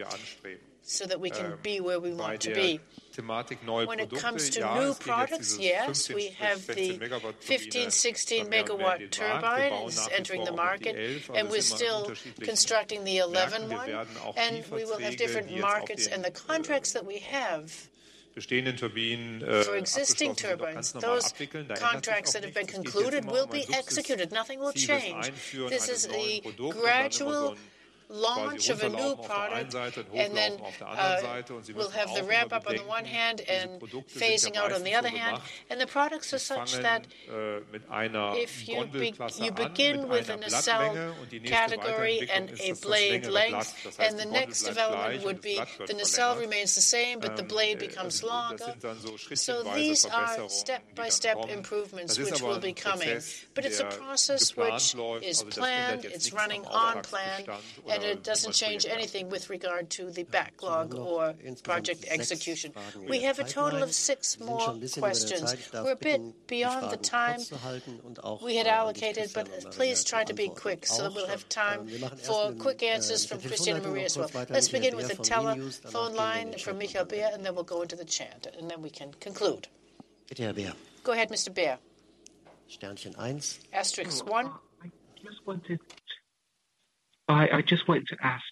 so that we can be where we want to be. When it comes to new products, yes, we have the 15, 16 megawatt turbines entering the market, and we're still constructing the 11 one, and we will have different markets in the contracts that we have. For existing turbines, those contracts that have been concluded will be executed. Nothing will change. This is the gradual launch of a new product, and then we'll have the ramp-up on the one hand and phasing out on the other hand. And the products are such that if you begin with a nacelle category and a blade length, and the next development would be the nacelle remains the same, but the blade becomes longer. So these are step-by-step improvements which will be coming. But it's a process which is planned, it's running on plan, and it doesn't change anything with regard to the backlog or project execution. We have a total of six more questions. We're a bit beyond the time we had allocated, but please try to be quick so that we'll have time for quick answers from Christian Bruch as well. Let's begin with the telephone line from Michael Baer, and then we'll go into the chat, and then we can conclude. Michael Baer. Go ahead, Mr. Baer. Asterisk one. I just wanted, I, I just wanted to ask,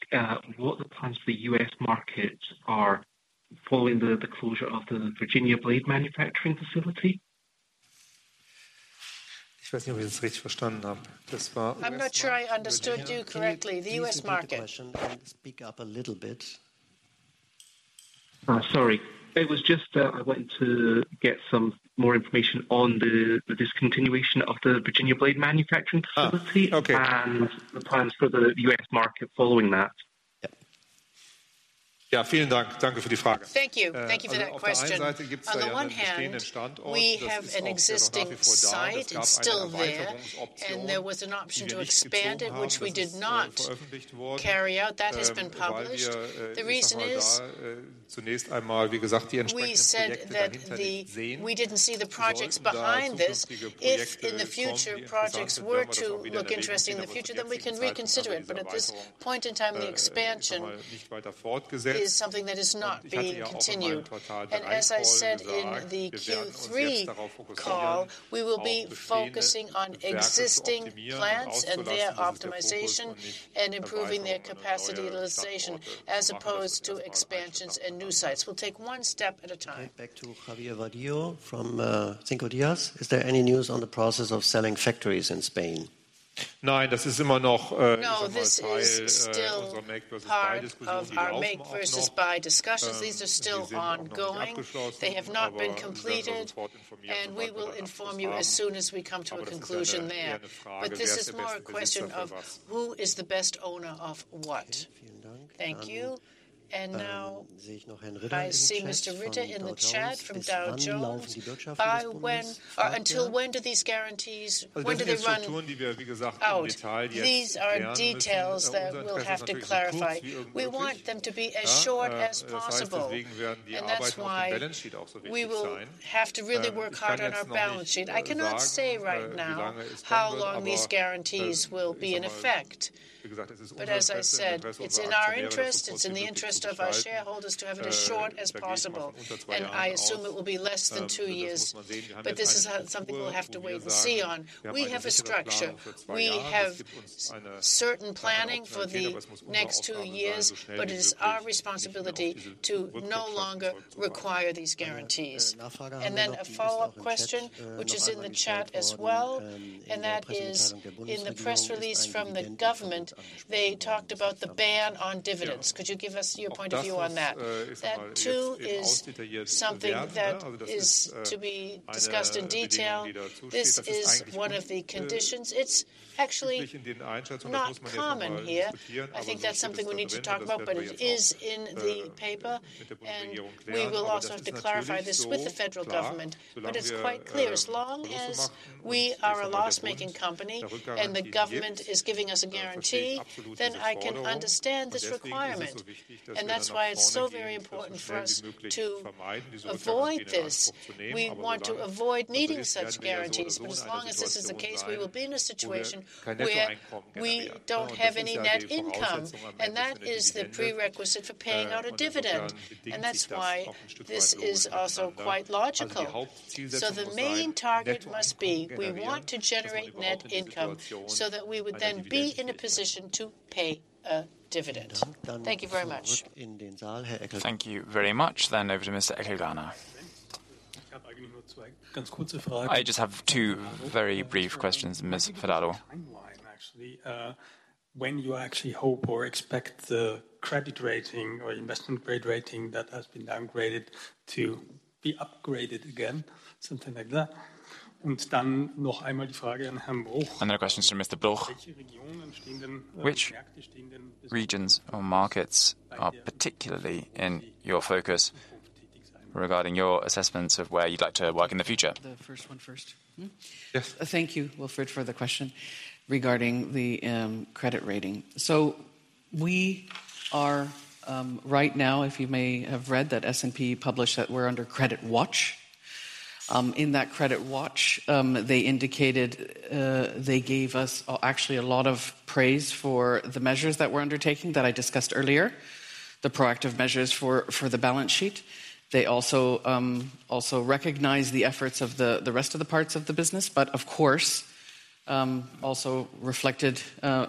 what the plans for the U.S. market are following the, the closure of the Virginia blade manufacturing facility? I'm not sure I understood you correctly, the US market. Can you please repeat the question and speak up a little bit? Sorry. It was just that I wanted to get some more information on the discontinuation of the Virginia blade manufacturing facility- Ah, okay. - and the plans for the U.S. market following that. Ja, vielen dank. Danke für die Frage. Thank you. Thank you for that question. On the one hand, we have an existing site. It's still there, and there was an option to expand it, which we did not carry out. That has been published. The reason is, we said that we didn't see the projects behind this. If in the future, projects were to look interesting in the future, then we can reconsider it. But at this point in time, the expansion is something that is not being continued. And as I said in the Q3 call, we will be focusing on existing plants and their optimization and improving their capitalization, as opposed to expansions and new sites. We'll take one step at a time. Back to Javier Vadillo from, Cinco Días. Is there any news on the process of selling factories in Spain? No, this is still part of our make versus buy discussions. These are still ongoing. They have not been completed, and we will inform you as soon as we come to a conclusion there. But this is more a question of who is the best owner of what? Thank you. Now, I see Mr. Ridder in the chat from Dow Jones. By when, until when do these guarantees, when do they run out? These are details that we'll have to clarify. We want them to be as short as possible, and that's why we will have to really work hard on our balance sheet. I cannot say right now how long these guarantees will be in effect. But as I said, it's in our interest, it's in the interest of our shareholders to have it as short as possible, and I assume it will be less than two years. But this is something we'll have to wait and see on. We have a structure. We have certain planning for the next two years, but it is our responsibility to no longer require these guarantees. And then a follow-up question, which is in the chat as well, and that is: In the press release from the government, they talked about the ban on dividends. Could you give us your point of view on that? That, too, is something that is to be discussed in detail. This is one of the conditions. It's actually not common here. I think that's something we need to talk about, but it is in the paper, and we will also have to clarify this with the federal government. But it's quite clear, as long as we are a loss-making company and the government is giving us a guarantee, then I can understand this requirement, and that's why it's so very important for us to avoid this. We want to avoid needing such guarantees, but as long as this is the case, we will be in a situation where we don't have any net income, and that is the prerequisite for paying out a dividend, and that's why this is also quite logical. The main target must be, we want to generate net income so that we would then be in a position to pay a dividend. Thank you very much. Thank you very much. Then over to Mr. Eckl-Dorna. I just have two very brief questions, Ms. Ferraro. Timeline, actually, when you actually hope or expect the credit rating or investment grade rating that has been downgraded to be upgraded again, something like that? Another question to Mr. Bruch. Which regions or markets are particularly in your focus regarding your assessments of where you'd like to work in the future? The first one first. Mm-hmm? Yes. Thank you, Wilfried, for the question regarding the credit rating. So we are right now, if you may have read, that S&P published that we're under credit watch. In that credit watch, they indicated they gave us actually a lot of praise for the measures that we're undertaking, that I discussed earlier, the proactive measures for the balance sheet. They also recognized the efforts of the rest of the parts of the business, but of course also reflected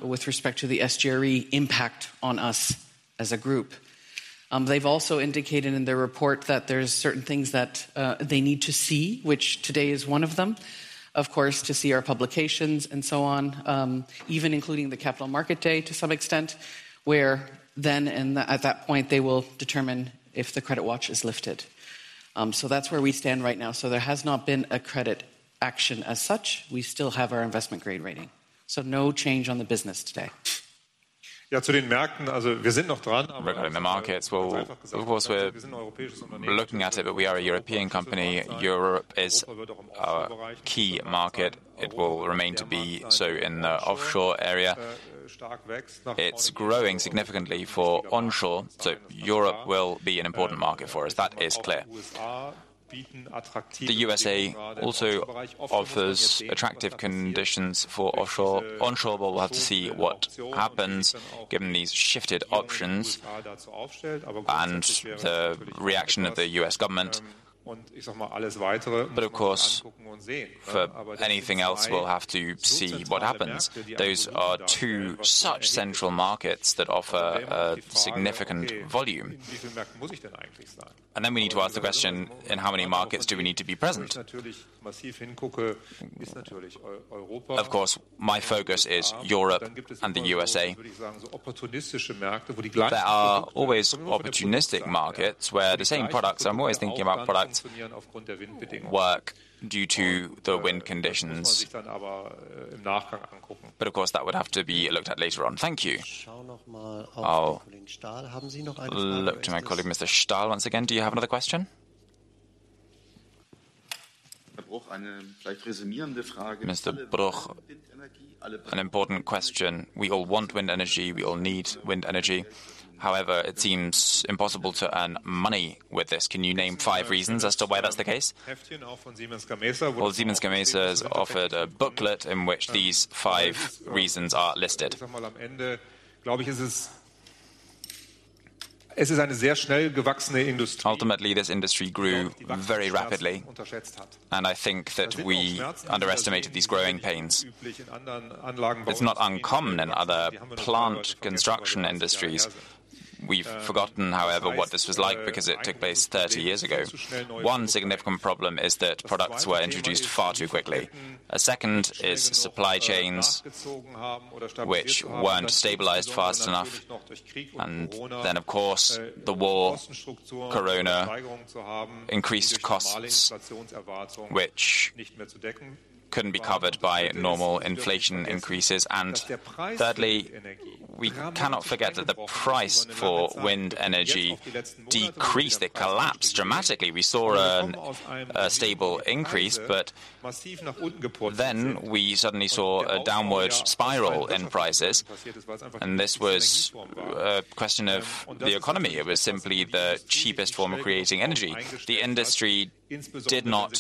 with respect to the SGRE impact on us as a group. They've also indicated in their report that there's certain things that they need to see, which today is one of them, of course, to see our publications and so on, even including the Capital Market Day, to some extent, where then and at that point, they will determine if the credit watch is lifted. So that's where we stand right now. So there has not been a credit action as such. We still have our investment grade rating, so no change on the business today. Yeah, to the markets. Also, we're still noch dran- Regular in the markets. Well, of course, we're looking at it, but we are a European company. Europe is our key market. It will remain to be so in the offshore area. It's growing significantly for onshore, so Europe will be an important market for us. That is clear. The U.S. also offers attractive conditions for offshore. Onshore, we'll have to see what happens, given these shifted options and the reaction of the U.S. government. But of course, for anything else, we'll have to see what happens. Those are two such central markets that offer a significant volume. And then we need to ask the question: In how many markets do we need to be present? Of course, my focus is Europe and the U.S. There are always opportunistic markets where the same products, I'm always thinking about products, work due to the wind conditions. But of course, that would have to be looked at later on. Thank you. I'll look to my colleague, Mr. Stahl, once again. Do you have another question? Mr. Bruch, an important question. We all want wind energy, we all need wind energy. However, it seems impossible to earn money with this. Can you name five reasons as to why that's the case? Well, Siemens Gamesa has offered a booklet in which these five reasons are listed. Ultimately, this industry grew very rapidly, and I think that we underestimated these growing pains. It's not uncommon in other plant construction industries. We've forgotten, however, what this was like because it took place thirty years ago. One significant problem is that products were introduced far too quickly. A second is supply chains, which weren't stabilized fast enough, and then, of course, the war, Corona, increased costs, which couldn't be covered by normal inflation increases. And thirdly, we cannot forget that the price for wind energy decreased. It collapsed dramatically. We saw a stable increase, but then we suddenly saw a downward spiral in prices, and this was a question of the economy. It was simply the cheapest form of creating energy. The industry did not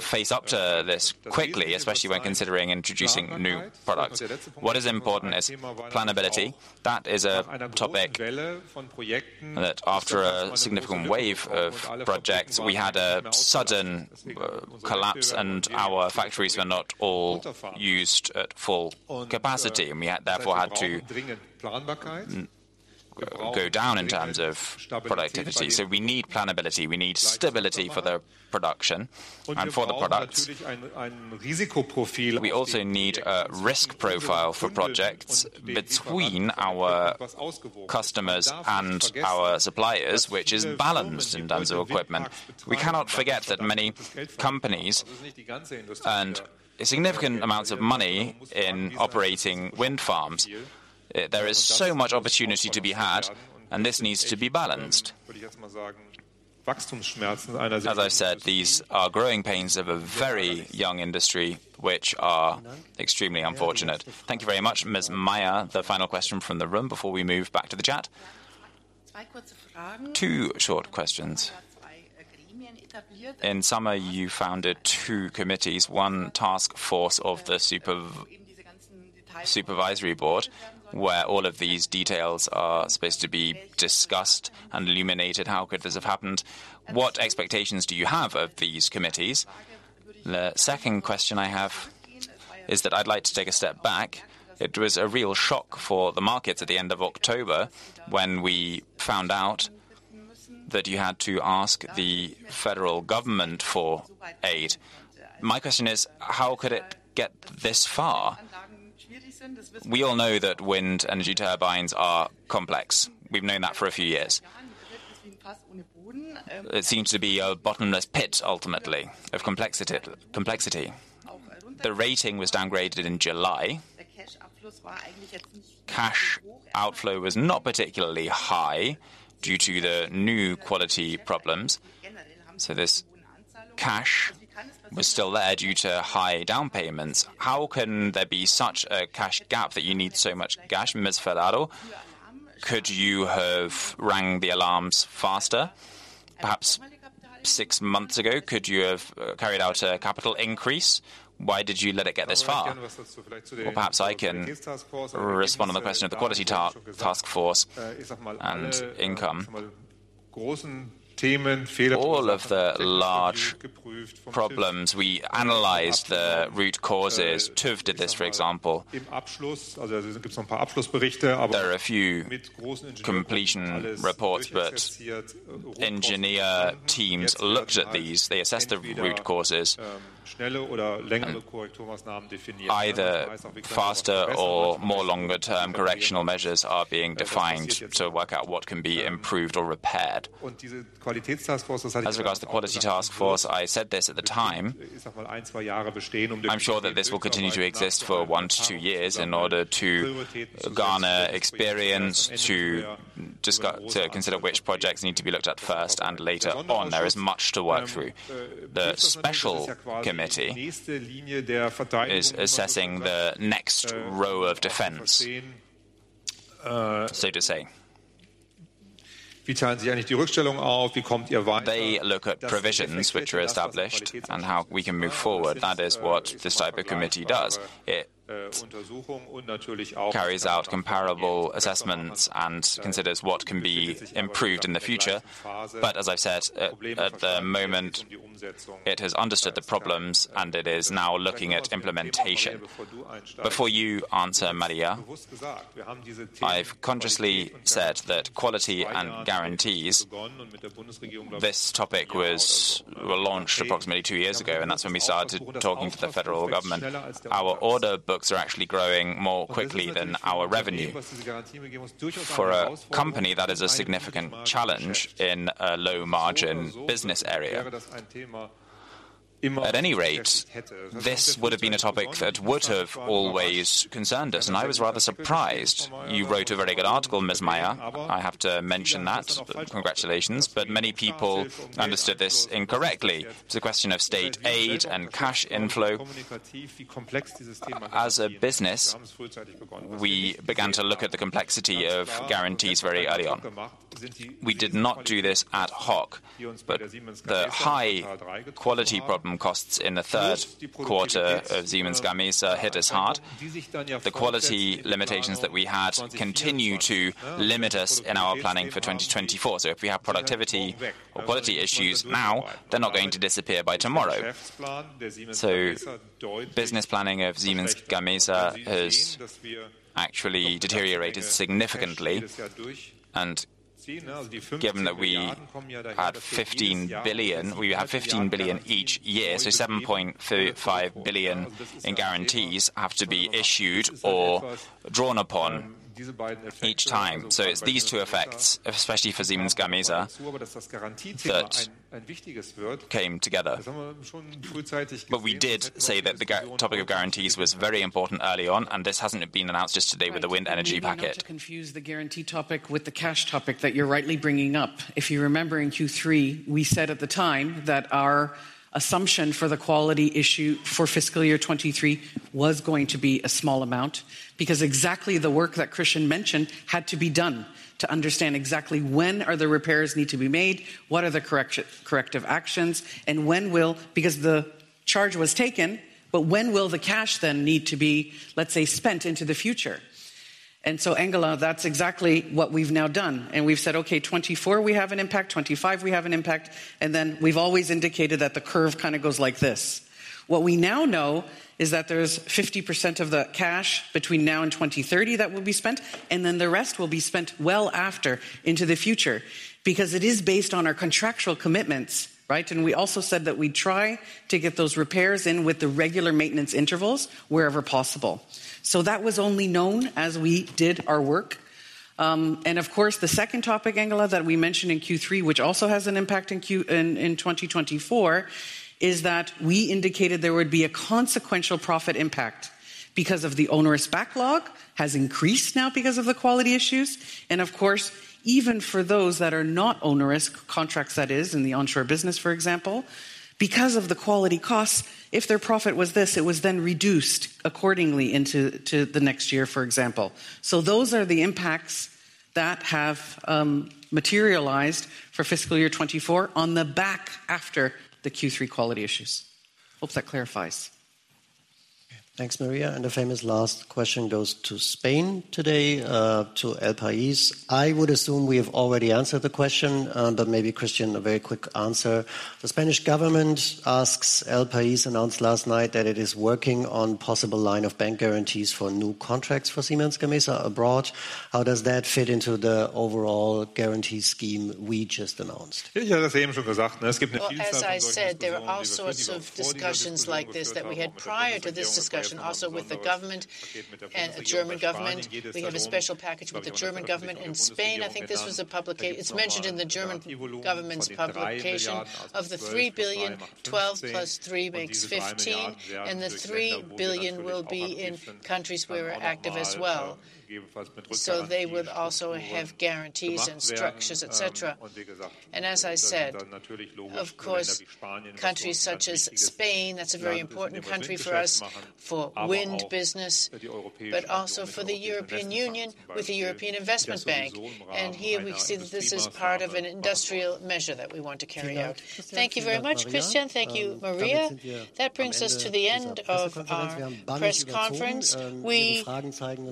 face up to this quickly, especially when considering introducing new products. What is important is plannability. That is a topic that after a significant wave of projects, we had a sudden collapse, and our factories were not all used at full capacity, and we, therefore, had to go down in terms of productivity. So we need plannability, we need stability for the production and for the products. We also need a risk profile for projects between our customers and our suppliers, which is balanced in terms of equipment. We cannot forget that many companies earned significant amounts of money in operating wind farms. There is so much opportunity to be had, and this needs to be balanced. As I said, these are growing pains of a very young industry, which are extremely unfortunate. Thank you very much. Ms. Maier, the final question from the room before we move back to the chat. Two short questions. In summer, you founded two committees, one task force of the supervisory board, where all of these details are supposed to be discussed and illuminated. How could this have happened? What expectations do you have of these committees? The second question I have is that I'd like to take a step back. It was a real shock for the markets at the end of October, when we found out that you had to ask the federal government for aid. My question is, how could it get this far? We all know that wind energy turbines are complex. We've known that for a few years. It seems to be a bottomless pit, ultimately, of complexity. The rating was downgraded in July. Cash outflow was not particularly high due to the new quality problems, so this cash was still there due to high down payments. How can there be such a cash gap that you need so much cash, Ms. Ferraro? Could you have rang the alarms faster, perhaps six months ago? Could you have carried out a capital increase? Why did you let it get this far? Well, perhaps I can respond to the question of the quality task force and income. All of the large problems, we analyzed the root causes. TÜV did this, for example. There are a few completion reports, but engineer teams looked at these. They assessed the root causes. Either faster or more longer-term correctional measures are being defined to work out what can be improved or repaired. As regards to the quality task force, I said this at the time, I'm sure that this will continue to exist for 1-2 years in order to garner experience, to discuss, to consider which projects need to be looked at first and later on. There is much to work through. The special committee is assessing the next row of defense, so to say. They look at provisions which are established and how we can move forward. That is what this type of committee does. It carries out comparable assessments and considers what can be improved in the future. But as I've said, at the moment, it has understood the problems, and it is now looking at implementation. Before you answer, Maria, I've consciously said that quality and guarantees, this topic was launched approximately two years ago, and that's when we started talking to the federal government. Our order books are actually growing more quickly than our revenue. For a company, that is a significant challenge in a low-margin business area. At any rate, this would have been a topic that would have always concerned us, and I was rather surprised. You wrote a very good article, Ms. Maier. I have to mention that. Congratulations. But many people understood this incorrectly. It's a question of state aid and cash inflow. As a business, we began to look at the complexity of guarantees very early on. We did not do this ad hoc, but the high-quality problem costs in the third quarter of Siemens Gamesa hit us hard. The quality limitations that we had continue to limit us in our planning for 2024. So if we have productivity or quality issues now, they're not going to disappear by tomorrow. So business planning of Siemens Gamesa has actually deteriorated significantly. And given that we had 15 billion, we have 15 billion each year, so 7.5 billion in guarantees have to be issued or drawn upon each time. So it's these two effects, especially for Siemens Gamesa, that came together. But we did say that the topic of guarantees was very important early on, and this hasn't been announced just today with the wind power package. We need not to confuse the guarantee topic with the cash topic that you're rightly bringing up. If you remember, in Q3, we said at the time that our assumption for the quality issue for fiscal year 2023 was going to be a small amount. Because exactly the work that Christian mentioned had to be done to understand exactly when are the repairs need to be made, what are the corrective actions, and when will... Because the charge was taken, but when will the cash then need to be, let's say, spent into the future? And so, Angela, that's exactly what we've now done, and we've said: "Okay, 2024, we have an impact, 2025, we have an impact." And then we've always indicated that the curve kind of goes like this. What we now know is that there's 50% of the cash between now and 2030 that will be spent, and then the rest will be spent well after into the future because it is based on our contractual commitments, right? We also said that we'd try to get those repairs in with the regular maintenance intervals wherever possible. That was only known as we did our work. And of course, the second topic, Angela, that we mentioned in Q3, which also has an impact in 2024, is that we indicated there would be a consequential profit impact because of the onerous backlog has increased now because of the quality issues. Of course, even for those that are not onerous contracts, that is in the onshore business, for example, because of the quality costs, if their profit was this, it was then reduced accordingly into the next year, for example. So those are the impacts that have materialized for fiscal year 2024 on the back of the Q3 quality issues. Hope that clarifies. Thanks, Maria, and the famous last question goes to Spain today, to El País. I would assume we have already answered the question, but maybe, Christian, a very quick answer. The Spanish government asks, El País announced last night that it is working on possible line of bank guarantees for new contracts for Siemens Gamesa abroad. How does that fit into the overall guarantee scheme we just announced? Well, as I said, there are all sorts of discussions like this that we had prior to this discussion, also with the government and the German government. We have a special package with the German government and Spain. I think this was a publication. It's mentioned in the German government's publication. Of the 3 billion, 12 plus 3 makes 15, and the 3 billion will be in countries where we're active as well. So they would also have guarantees and structures, et cetera. And as I said, of course, countries such as Spain, that's a very important country for us for wind business, but also for the European Union, with the European Investment Bank. And here we've seen that this is part of an industrial measure that we want to carry out. Thank you very much, Christian. Thank you, Maria. That brings us to the end of our press conference. We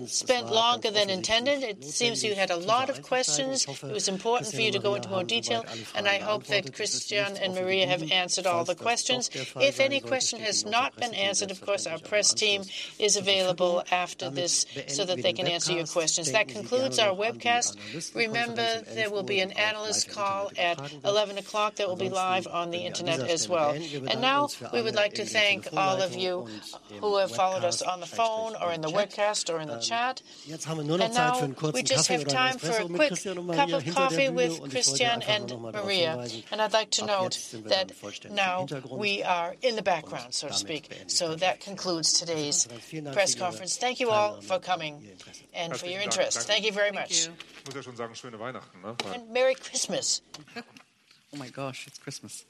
spent longer than intended. It seems you had a lot of questions. It was important for you to go into more detail, and I hope that Christian and Maria have answered all the questions. If any question has not been answered, of course, our press team is available after this so that they can answer your questions. That concludes our webcast. Remember, there will be an analyst call at 11:00 that will be live on the internet as well. And now we would like to thank all of you who have followed us on the phone or in the webcast or in the chat. And now we just have time for a quick cup of coffee with Christian and Maria. I'd like to note that now we are in the background, so to speak. That concludes today's press conference. Thank you all for coming and for your interest. Thank you very much. Thank you. Merry Christmas. Oh, my gosh, it's Christmas!